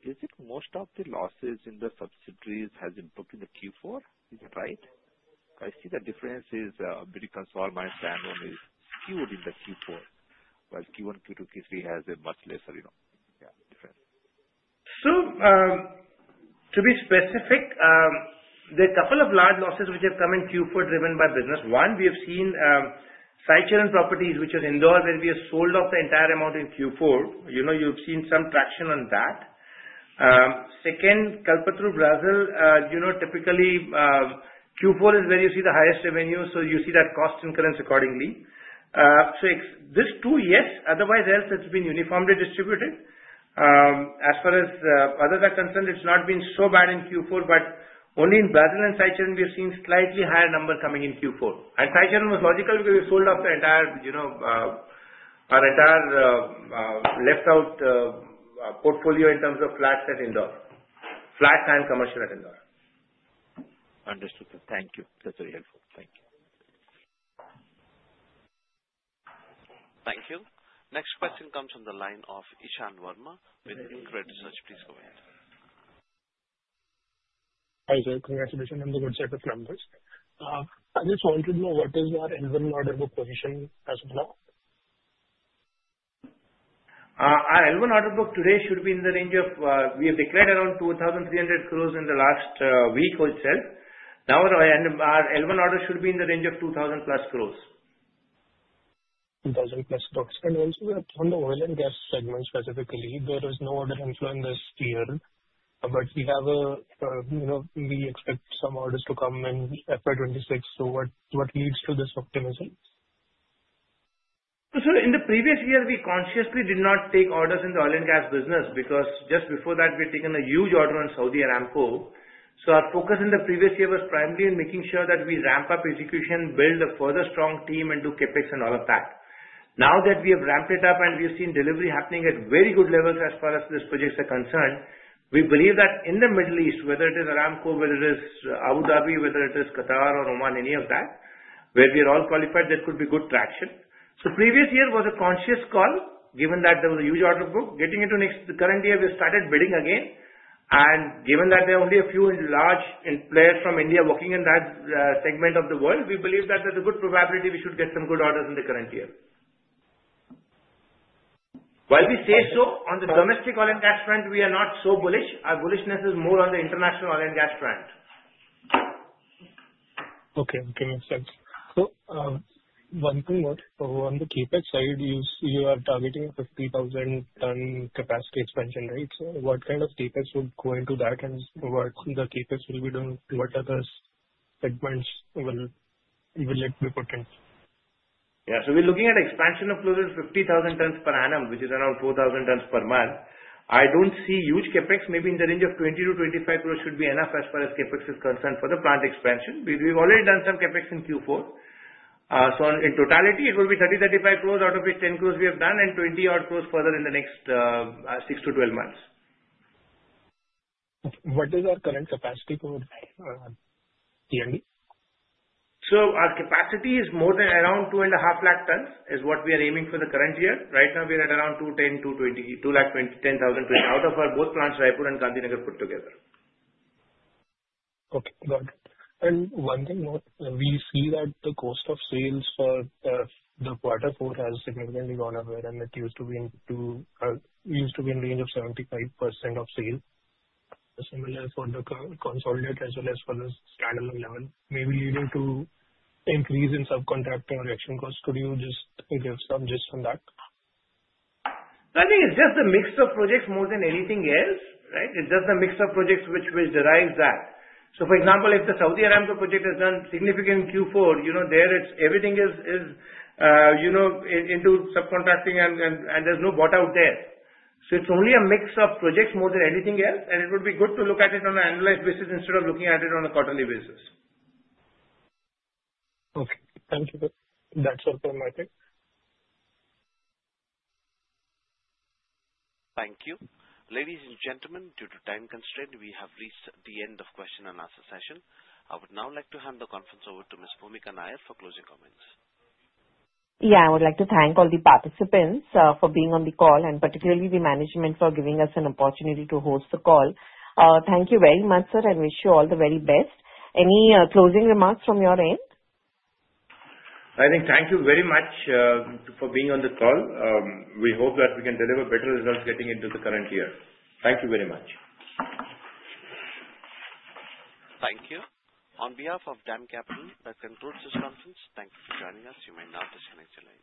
is it most of the losses in the subsidiaries has been put in the Q4? Is it right? I see the difference is consol minus standalone is skewed in the Q4, while Q1, Q2, Q3 has a much lesser difference. So to be specific, there are a couple of large losses which have come in Q4 driven by business. One, we have seen Saicharan Properties, which is Indore, where we have sold off the entire amount in Q4. You've seen some traction on that. Second, Kalpataru Brazil, typically Q4 is where you see the highest revenue, so you see that cost increments accordingly. So this too, yes. Otherwise, else it's been uniformly distributed. As far as others are concerned, it's not been so bad in Q4, but only in Brazil and Saicharan and we have seen slightly higher numbers coming in Q4. And Saicharan was logical because we sold off our entire left-out portfolio in terms of flat set Indore. Flat and commercial at Indore. Understood. Thank you. That's very helpful. Thank you. Thank you. Next question comes from the line of Ishan Verma with InCred Research. Please go ahead. Hi sir. Congratulations on the good set of numbers. I just wanted to know what is our L1 order book position as of now? Our L1 order book today should be in the range of what we have declared around 2,300 crores in the last week or so. Now our L1 order should be in the range of 2,000 plus crores. 2,000 plus crores. And also on the oil and gas segment specifically, there is no order inflow in this year, but we expect some orders to come in FY26. So what leads to this optimism? In the previous year, we consciously did not take orders in the oil and gas business because just before that, we had taken a huge order on Saudi Aramco. Our focus in the previous year was primarily in making sure that we ramp up execution, build a further strong team, and do Capex and all of that. Now that we have ramped it up and we have seen delivery happening at very good levels as far as these projects are concerned, we believe that in the Middle East, whether it is Aramco, whether it is Abu Dhabi, whether it is Qatar or Oman, any of that, where we are all qualified, there could be good traction. So previous year was a conscious call, given that there was a huge order book. Getting into the current year, we started bidding again. And given that there are only a few large players from India working in that segment of the world, we believe that there's a good probability we should get some good orders in the current year. While we say so, on the domestic oil and gas front, we are not so bullish. Our bullishness is more on the international oil and gas front. Okay. Okay. Makes sense. So one thing more. On the Capex side, you are targeting 50,000-ton capacity expansion, right? So what kind of Capex would go into that, and what the Capex will be doing, what other segments will it be put in? Yeah. So we're looking at expansion of close to 50,000 tons per annum, which is around 4,000 tons per month. I don't see huge Capex. Maybe in the range of 20-25 crores should be enough as far as Capex is concerned for the plant expansion. We've already done some Capex in Q4. So in totality, it will be 30-35 crores, out of which 10 crores we have done and 20-odd crores further in the next 6 to 12 months. What is our current capacity for T&D? So our capacity is more than around 2.5 lakh tons, is what we are aiming for the current year. Right now, we are at around 210-220,000 out of our both plants, Raipur and Gandhinagar put together. Okay. Got it. And one thing more. We see that the cost of sales for the quarter four has significantly gone up, wherein it used to be in the range of 75% of sales. Similar for the consolidated as well as for the standalone level, maybe leading to increase in subcontracting or labor costs. Could you just give some insight on that? I think it's just the mix of projects more than anything else, right? It's just the mix of projects which drives that. So for example, if the Saudi Aramco project has done significant Q4, there everything is into subcontracting and there's no bottom there. So it's only a mix of projects more than anything else, and it would be good to look at it on an annualized basis instead of looking at it on a quarterly basis. Okay. Thank you. That's all from my side. Thank you. Ladies and gentlemen, due to time constraints, we have reached the end of question and answer session. I would now like to hand the conference over to Ms. Bhoomika Nair for closing comments. Yeah. I would like to thank all the participants for being on the call, and particularly the management for giving us an opportunity to host the call. Thank you very much, sir, and wish you all the very best. Any closing remarks from your end? I think thank you very much for being on the call. We hope that we can deliver better results getting into the current year. Thank you very much. Thank you. On behalf of DAM Capital, that concludes this conference. Thank you for joining us. You may now disconnect today.